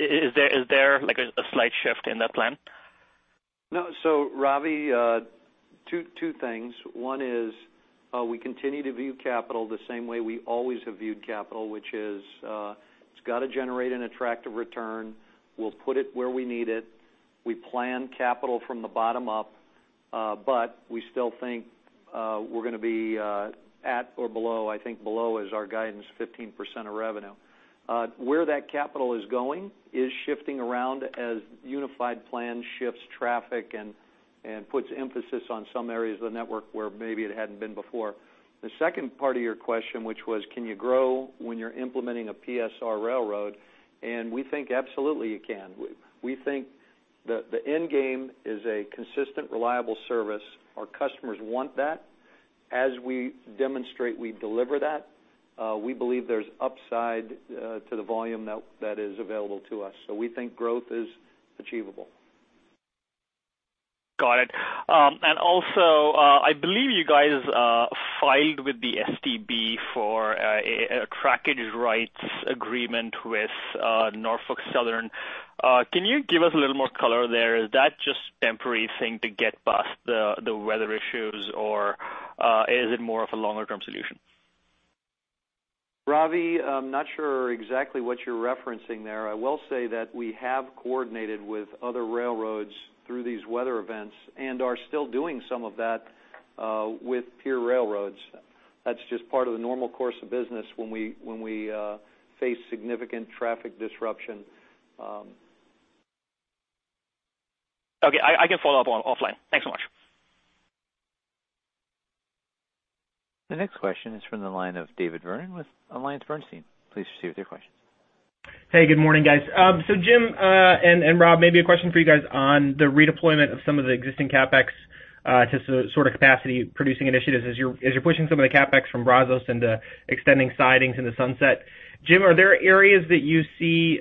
is there like a slight shift in that plan? No. Ravi, two things. One is, we continue to view capital the same way we always have viewed capital, which is, it's gotta generate an attractive return. We'll put it where we need it. We plan capital from the bottom up, but we still think we're gonna be at or below, I think below is our guidance, 15% of revenue. Where that capital is going is shifting around as Unified Plan shifts traffic and puts emphasis on some areas of the network where maybe it hadn't been before. The second part of your question, which was can you grow when you're implementing a PSR railroad? We think absolutely you can. We think the end game is a consistent, reliable service. Our customers want that. As we demonstrate we deliver that, we believe there's upside to the volume that is available to us. We think growth is achievable. Got it. I believe you guys filed with the STB for a trackage rights agreement with Norfolk Southern. Can you give us a little more color there? Is that just temporary thing to get past the weather issues, or is it more of a longer term solution? Ravi, I'm not sure exactly what you're referencing there. I will say that we have coordinated with other railroads through these weather events and are still doing some of that with peer railroads. That's just part of the normal course of business when we face significant traffic disruption. Okay. I can follow up on offline. Thanks so much. The next question is from the line of David Vernon with AllianceBernstein. Please proceed with your questions. Good morning, guys. Jim, and Rob, maybe a question for you guys on the redeployment of some of the existing CapEx to sort of capacity producing initiatives. As you're pushing some of the CapEx from Brazos into extending sidings into Sunset, Jim, are there areas that you see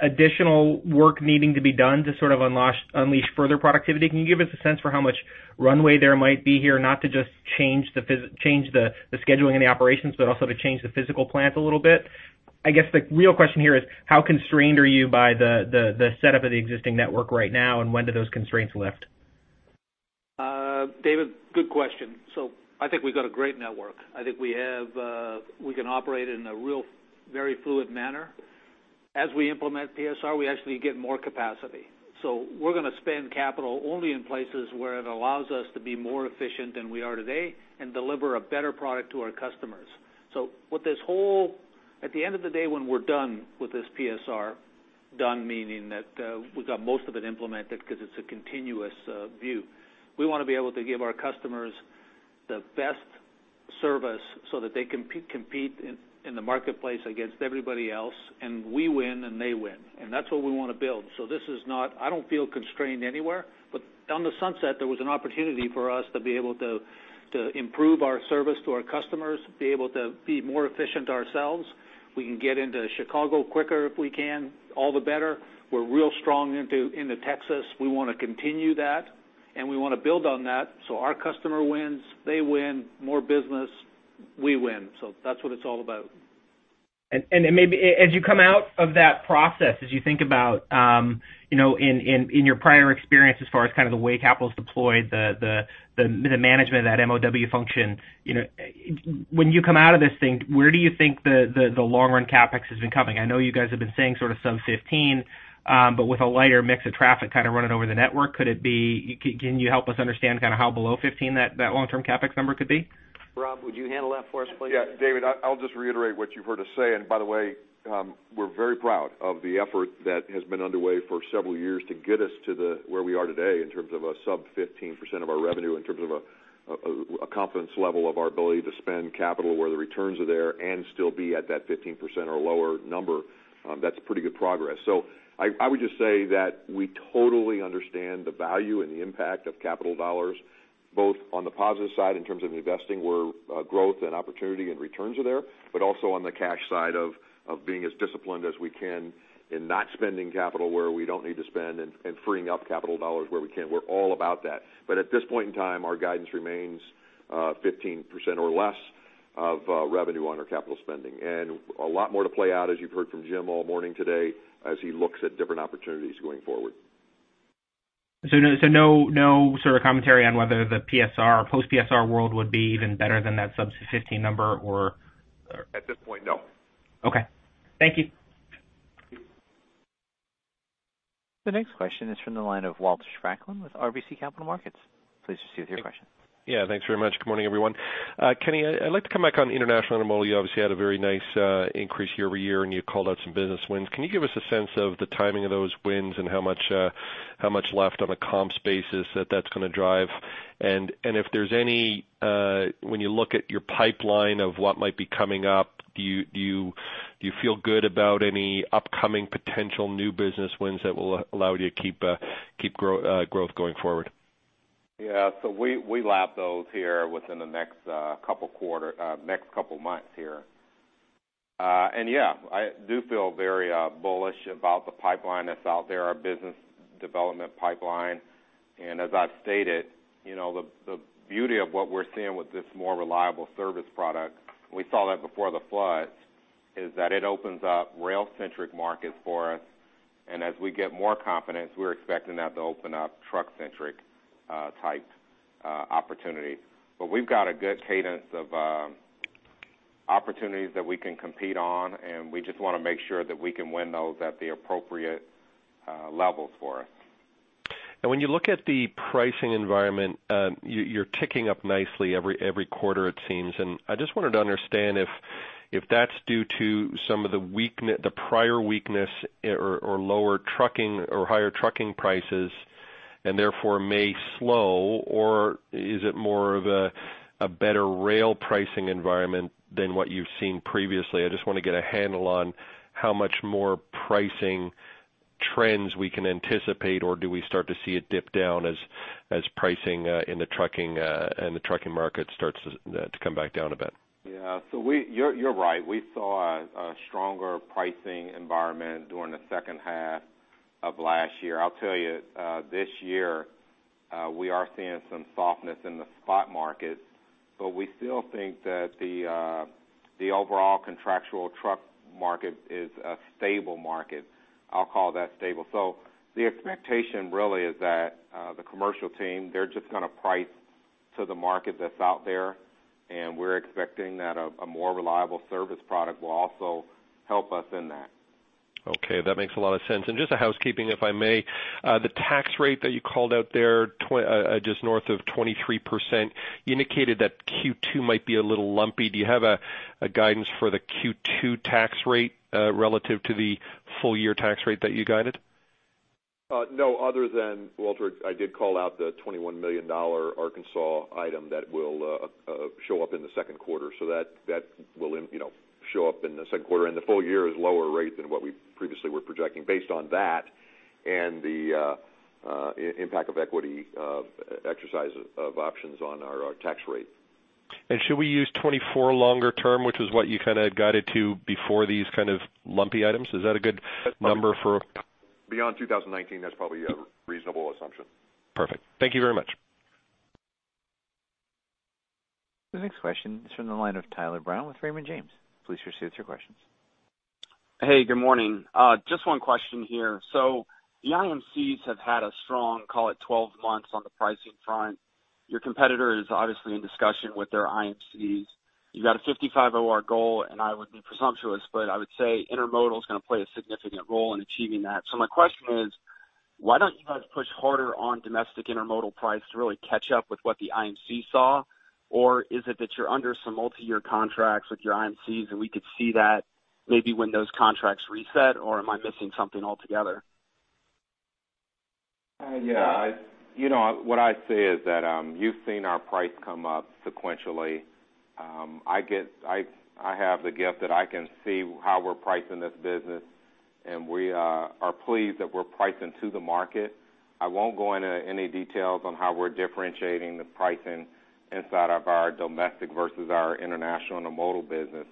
additional work needing to be done to sort of unleash further productivity? Can you give us a sense for how much runway there might be here not to just change the scheduling and the operations, but also to change the physical plant a little bit? I guess the real question here is how constrained are you by the setup of the existing network right now, and when do those constraints lift? David, good question. I think we've got a great network. I think we have, we can operate in a real, very fluid manner. As we implement PSR, we actually get more capacity. We're gonna spend capital only in places where it allows us to be more efficient than we are today and deliver a better product to our customers. At the end of the day, when we're done with this PSR, done meaning that we've got most of it implemented because it's a continuous view, we wanna be able to give our customers the best. Service so that they can compete in the marketplace against everybody else, and we win and they win. That's what we wanna build. I don't feel constrained anywhere, but on the sunset, there was an opportunity for us to be able to improve our service to our customers, be able to be more efficient ourselves. We can get into Chicago quicker if we can, all the better. We're real strong into Texas. We wanna continue that, and we wanna build on that so our customer wins, they win more business, we win. That's what it's all about. Then maybe as you come out of that process, as you think about, you know, in your prior experience as far as kind of the way capital is deployed, the management of that MOW function, you know, when you come out of this thing, where do you think the long run CapEx has been coming? I know you guys have been saying sort of sub 15, but with a lighter mix of traffic kind of running over the network, can you help us understand kind of how below 15 that long-term CapEx number could be? Rob, would you handle that for us, please? Yeah, David, I'll just reiterate what you've heard us say. By the way, we're very proud of the effort that has been underway for several years to get us to where we are today in terms of a sub 15% of our revenue, in terms of a confidence level of our ability to spend capital where the returns are there and still be at that 15% or lower number. That's pretty good progress. I would just say that we totally understand the value and the impact of capital dollars, both on the positive side in terms of investing where growth and opportunity and returns are there, but also on the cash side of being as disciplined as we can in not spending capital where we don't need to spend and freeing up capital dollars where we can. We're all about that. At this point in time, our guidance remains 15% or less of revenue on our capital spending. A lot more to play out, as you've heard from Jim all morning today, as he looks at different opportunities going forward. No sort of commentary on whether the PSR or post PSR world would be even better than that sub 15 number or. At this point, no. Okay. Thank you. The next question is from the line of Walt Spracklin with RBC Capital Markets. Please proceed with your question. Yeah, thanks very much. Good morning, everyone. Kenny, I'd like to come back on international intermodal. You obviously had a very nice increase year-over-year, and you called out some business wins. Can you give us a sense of the timing of those wins and how much how much left on a comps basis that that's gonna drive? If there's any, when you look at your pipeline of what might be coming up, do you feel good about any upcoming potential new business wins that will allow you to keep growth going forward? We, we lap those here within the next couple months here. I do feel very bullish about the pipeline that's out there, our business development pipeline. As I've stated, you know, the beauty of what we're seeing with this more reliable service product, we saw that before the floods, is that it opens up rail-centric markets for us. As we get more confidence, we're expecting that to open up truck-centric type opportunities. We've got a good cadence of opportunities that we can compete on, and we just wanna make sure that we can win those at the appropriate levels for us. When you look at the pricing environment, you're ticking up nicely every quarter, it seems. I just wanted to understand if that's due to some of the prior weakness or lower trucking or higher trucking prices, and therefore may slow, or is it more of a better rail pricing environment than what you've seen previously? I just wanna get a handle on how much more pricing trends we can anticipate, or do we start to see it dip down as pricing in the trucking and the trucking market starts to come back down a bit. Yeah. You're right. We saw a stronger pricing environment during the second half of last year. I'll tell you, this year, we are seeing some softness in the spot market, but we still think that the overall contractual truck market is a stable market. I'll call that stable. The expectation really is that the commercial team, they're just gonna price to the market that's out there, and we're expecting that a more reliable service product will also help us in that. Okay. That makes a lot of sense. Just a housekeeping, if I may. The tax rate that you called out there just north of 23% indicated that Q2 might be a little lumpy. Do you have a guidance for the Q2 tax rate relative to the full year tax rate that you guided? No, other than Walter, I did call out the $21 million Arkansas item that will show up in the second quarter. That, that will, you know, show up in the second quarter. The full year is lower rate than what we previously were projecting based on that and the impact of equity exercise of options on our tax rate. Should we use 24% longer term, which is what you kinda had guided to before these kind of lumpy items? Is that a good number for? Beyond 2019, that's probably a reasonable assumption. Perfect. Thank you very much. The next question is from the line of Tyler Brown with Raymond James. Please proceed with your questions. Hey, good morning. Just one question here. The IMCs have had a strong, call it 12 months on the pricing front. Your competitor is obviously in discussion with their IMCs. You've got a 55 OR goal, I would be presumptuous, but I would say intermodal is going to play a significant role in achieving that. My question is, why don't you guys push harder on domestic intermodal price to really catch up with what the IMC saw? Is it that you're under some multi-year contracts with your IMCs, and we could see that maybe when those contracts reset, or am I missing something altogether? Yeah, you know, what I say is that, you've seen our price come up sequentially. I have the gift that I can see how we're pricing this business, and we are pleased that we're pricing to the market. I won't go into any details on how we're differentiating the pricing inside of our domestic versus our international intermodal business.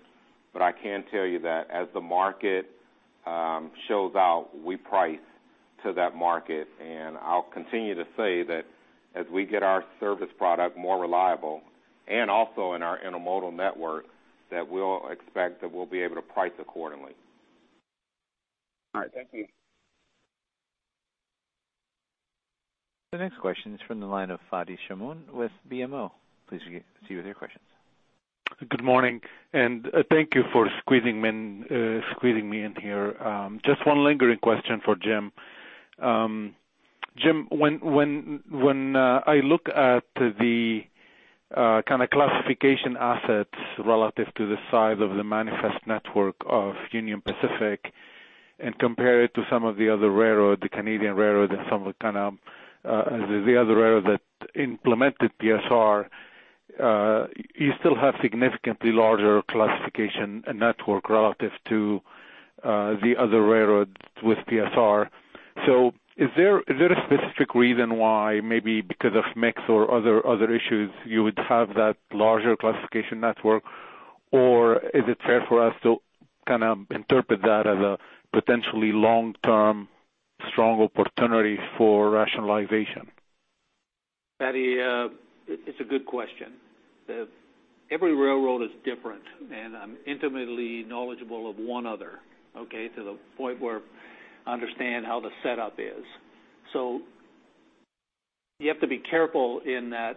I can tell you that as the market shows out, we price to that market, and I'll continue to say that as we get our service product more reliable, and also in our intermodal network, that we'll expect that we'll be able to price accordingly. All right. Thank you. The next question is from the line of Fadi Chamoun with BMO. Please proceed with your questions. Good morning. Thank you for squeezing me in here. Just one lingering question for Jim. Jim, when I look at the kind of classification assets relative to the size of the manifest network of Union Pacific and compare it to some of the other railroad, the Canadian railroad and some of the kind of the other railroad that implemented PSR, you still have significantly larger classification and network relative to the other railroads with PSR. Is there a specific reason why, maybe because of mix or other issues, you would have that larger classification network? Is it fair for us to kind of interpret that as a potentially long-term, strong opportunity for rationalization? Fadi, it's a good question. Every railroad is different, and I'm intimately knowledgeable of one other, okay? To the point where I understand how the setup is. You have to be careful in that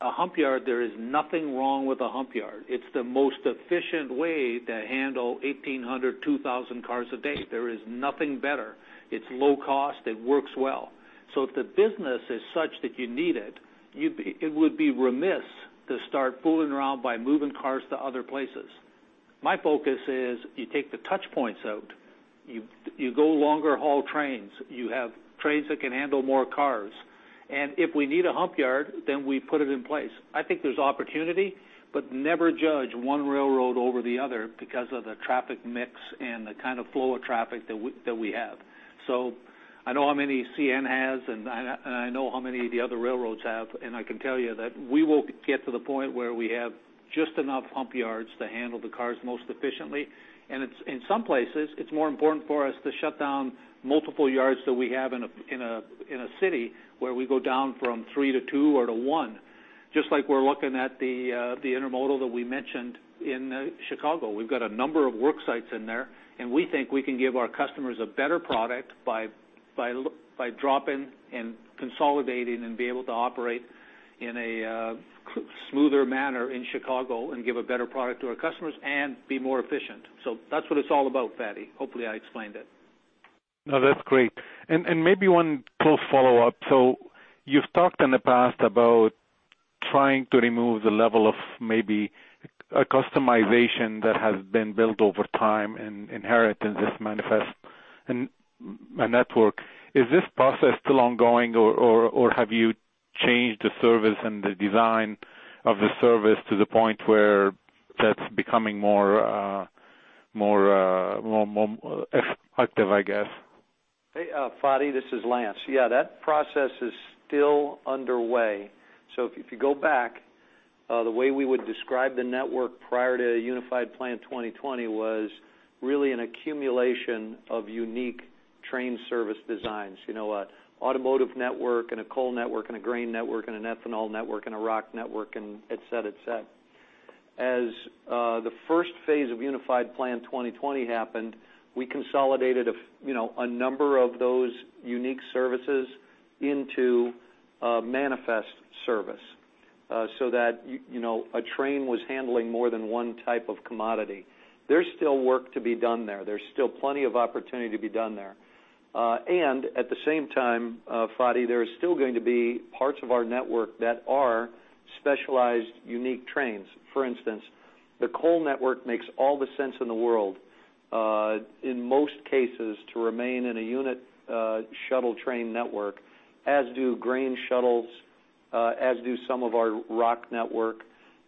a hump yard, there is nothing wrong with a hump yard. It's the most efficient way to handle 1,800, 2,000 cars a day. There is nothing better. It's low cost. It works well. If the business is such that you need it would be remiss to start fooling around by moving cars to other places. My focus is you take the touchpoints out. You go longer haul trains. You have trains that can handle more cars. If we need a hump yard, then we put it in place. I think there's opportunity. Never judge one railroad over the other because of the traffic mix and the kind of flow of traffic that we have. I know how many CN has, and I know how many of the other railroads have, and I can tell you that we will get to the point where we have just enough hump yards to handle the cars most efficiently. It's, in some places, it's more important for us to shut down multiple yards that we have in a city where we go down from three to two or to one, just like we're looking at the intermodal that we mentioned in Chicago. We've got a number of work sites in there. We think we can give our customers a better product by dropping and consolidating and be able to operate in a smoother manner in Chicago and give a better product to our customers and be more efficient. That's what it's all about, Fadi. Hopefully, I explained it. No, that's great. Maybe one close follow-up. You've talked in the past about trying to remove the level of maybe a customization that has been built over time and inherited this manifest and network. Is this process still ongoing or have you changed the service and the design of the service to the point where that's becoming more effective, I guess? Hey, Fadi, this is Lance. That process is still underway. If you go back, the way we would describe the network prior to Unified Plan 2020 was really an accumulation of unique train service designs. You know, automotive network and a coal network and a grain network and an ethanol network and a rock network and et cetera, et cetera. As the first phase of Unified Plan 2020 happened, we consolidated you know, a number of those unique services into a manifest service, so that you know, a train was handling more than one type of commodity. There's still work to be done there. There's still plenty of opportunity to be done there. At the same time, Fadi, there is still going to be parts of our network that are specialized, unique trains. For instance, the coal network makes all the sense in the world, in most cases, to remain in a unit, shuttle train network, as do grain shuttles, as do some of our rock network.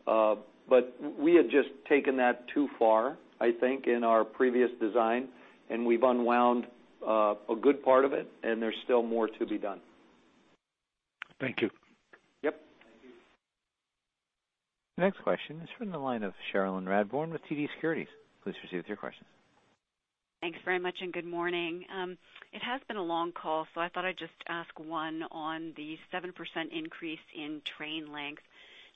We had just taken that too far, I think, in our previous design, and we've unwound, a good part of it, and there's still more to be done. Thank you. Yep. The next question is from the line of Cherilyn Radbourne with TD Securities. Please proceed with your questions. Thanks very much, and good morning. It has been a long call, so I thought I'd just ask one on the 7% increase in train length.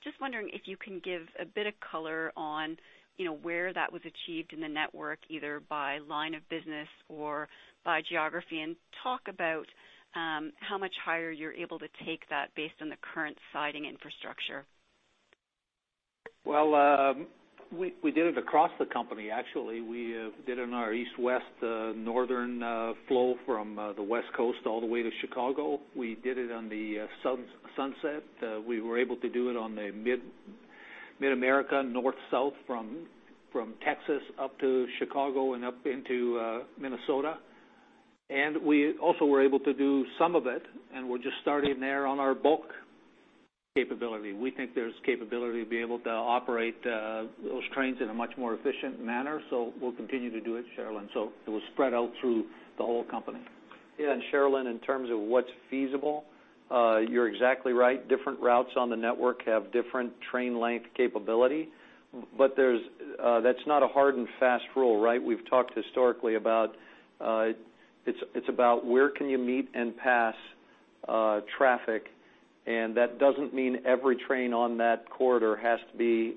Just wondering if you can give a bit of color on, you know, where that was achieved in the network, either by line of business or by geography, and talk about how much higher you're able to take that based on the current siding infrastructure. Well, we did it across the company, actually. We did it in our east, west, northern flow from the West Coast all the way to Chicago. We did it on the Sunset. We were able to do it on the Mid-America, north, south from Texas up to Chicago and up into Minnesota. We also were able to do some of it, and we're just starting there on our bulk capability. We think there's capability to be able to operate those trains in a much more efficient manner, so we'll continue to do it, Cherilyn. It will spread out through the whole company. Cherilyn, in terms of what's feasible, you're exactly right. Different routes on the network have different train length capability, that's not a hard and fast rule, right? We've talked historically about, it's about where can you meet and pass traffic, that doesn't mean every train on that corridor has to be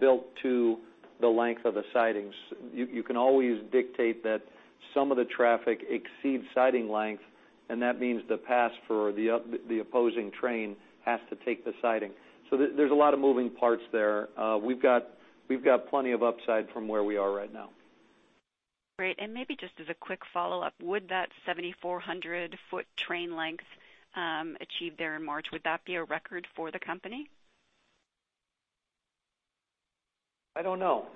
built to the length of the sidings. You can always dictate that some of the traffic exceeds siding length, that means the pass for the opposing train has to take the siding. There's a lot of moving parts there. We've got plenty of upside from where we are right now. Great. Maybe just as a quick follow-up, would that 7,400 foot train length achieved there in March, would that be a record for the company? I don't know.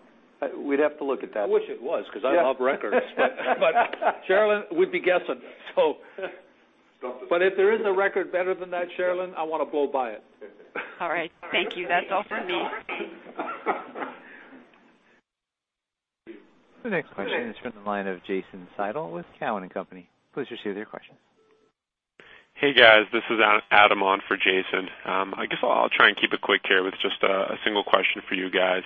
We'd have to look at that. I wish it was- Yeah. -because I love records. Cherilyn, we'd be guessing. If there is a record better than that, Cherilyn, I wanna blow by it. All right. Thank you. That's all for me. The next question is from the line of Jason Seidl with Cowen and Company. Please proceed with your question. Hey, guys. This is [Adam] on for Jason. I guess I'll try and keep it quick here with just a single question for you guys.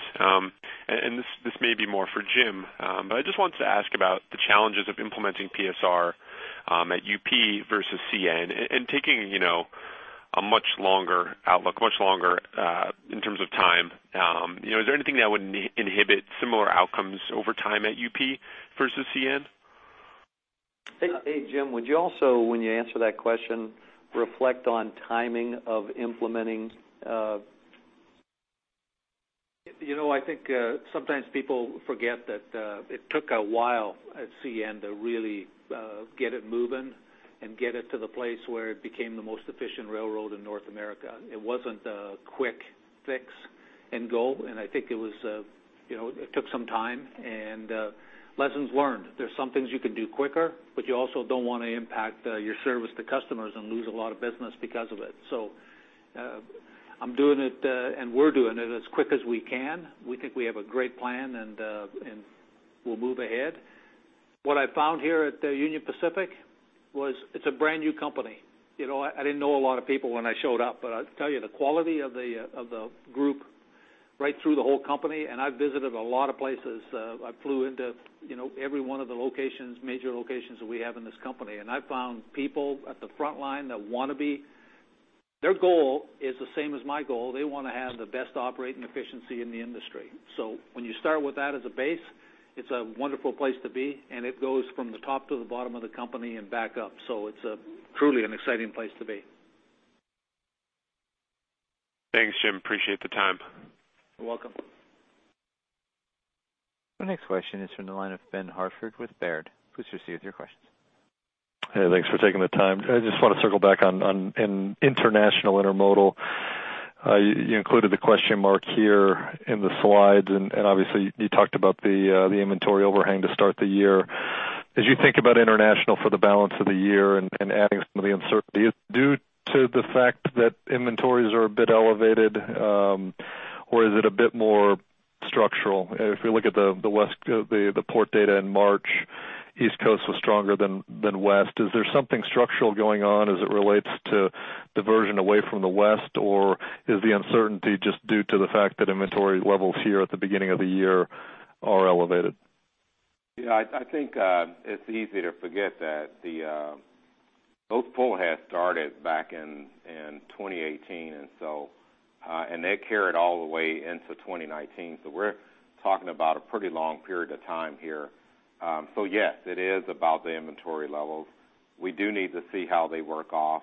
This may be more for Jim. I just wanted to ask about the challenges of implementing PSR at UP versus CN and taking, you know, a much longer outlook, much longer in terms of time. You know, is there anything that would inhibit similar outcomes over time at UP versus CN? Hey, Jim, would you also, when you answer that question, reflect on timing of implementing? You know, I think, sometimes people forget that, it took a while at CN to really, get it moving and get it to the place where it became the most efficient railroad in North America. It wasn't a quick fix and go, and I think it was, you know, it took some time and, lessons learned. There's some things you can do quicker, but you also don't wanna impact, your service to customers and lose a lot of business because of it. I'm doing it, and we're doing it as quick as we can. We think we have a great plan, and, we'll move ahead. What I found here at, Union Pacific was it's a brand-new company. You know, I didn't know a lot of people when I showed up, I tell you, the quality of the group right through the whole company, and I've visited a lot of places. I flew into, you know, every one of the locations, major locations that we have in this company, and I found people at the front line that wanna be. Their goal is the same as my goal. They wanna have the best operating efficiency in the industry. When you start with that as a base, it's a wonderful place to be, and it goes from the top to the bottom of the company and back up. It's truly an exciting place to be. Thanks, Jim. Appreciate the time. You're welcome. The next question is from the line of Ben Hartford with Baird. Please proceed with your question. Hey, thanks for taking the time. I just want to circle back on international intermodal. You included the question mark here in the slides, obviously you talked about the inventory overhang to start the year. As you think about international for the balance of the year and adding some of the uncertainty, is it due to the fact that inventories are a bit elevated, or is it a bit more structural? If we look at the West Coast, the port data in March, East Coast was stronger than West. Is there something structural going on as it relates to diversion away from the West, or is the uncertainty just due to the fact that inventory levels here at the beginning of the year are elevated? I think it's easy to forget that the those pull has started back in 2018, and they carried all the way into 2019. We're talking about a pretty long period of time here. Yes, it is about the inventory levels. We do need to see how they work off.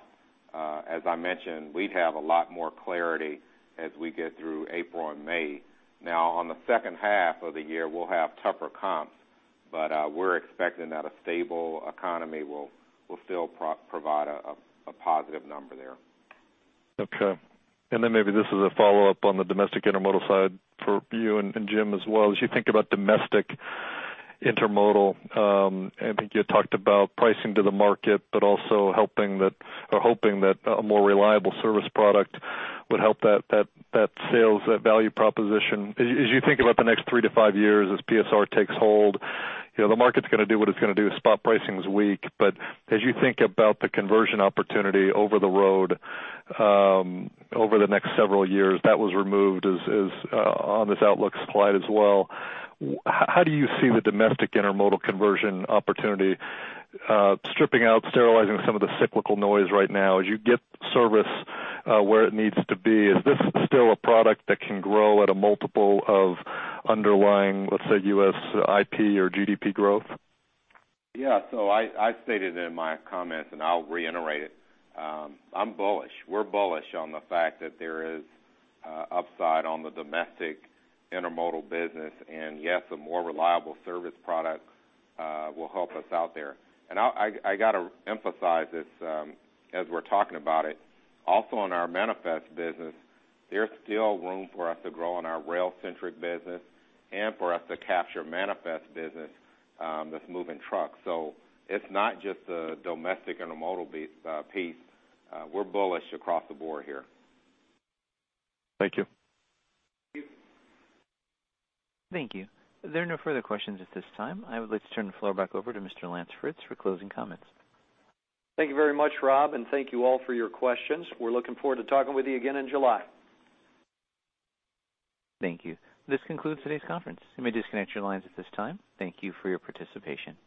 As I mentioned, we'd have a lot more clarity as we get through April and May. On the second half of the year, we'll have tougher comps, but we're expecting that a stable economy will still provide a positive number there. Okay. Maybe this is a follow-up on the domestic intermodal side for you and Jim as well. As you think about domestic intermodal, I think you had talked about pricing to the market, but also helping that or hoping that a more reliable service product would help that sales, that value proposition. As you think about the next three to five years as PSR takes hold, you know, the market's gonna do what it's gonna do. Spot pricing is weak, as you think about the conversion opportunity over the road, over the next several years, that was removed as on this outlook slide as well. How do you see the domestic intermodal conversion opportunity, stripping out, sterilizing some of the cyclical noise right now as you get service, where it needs to be? Is this still a product that can grow at a multiple of underlying, let's say, U.S. IP or GDP growth? I stated in my comments, and I'll reiterate it. I'm bullish. We're bullish on the fact that there is upside on the domestic intermodal business. Yes, a more reliable service product will help us out there. I gotta emphasize this as we're talking about it. Also, in our manifest business, there's still room for us to grow in our rail-centric business and for us to capture manifest business that's moving trucks. It's not just the domestic intermodal piece. We're bullish across the board here. Thank you. Thank you. Thank you. There are no further questions at this time. I would like to turn the floor back over to Mr. Lance Fritz for closing comments. Thank you very much, Rob, and thank you all for your questions. We're looking forward to talking with you again in July. Thank you. This concludes today's conference. You may disconnect your lines at this time. Thank you for your participation.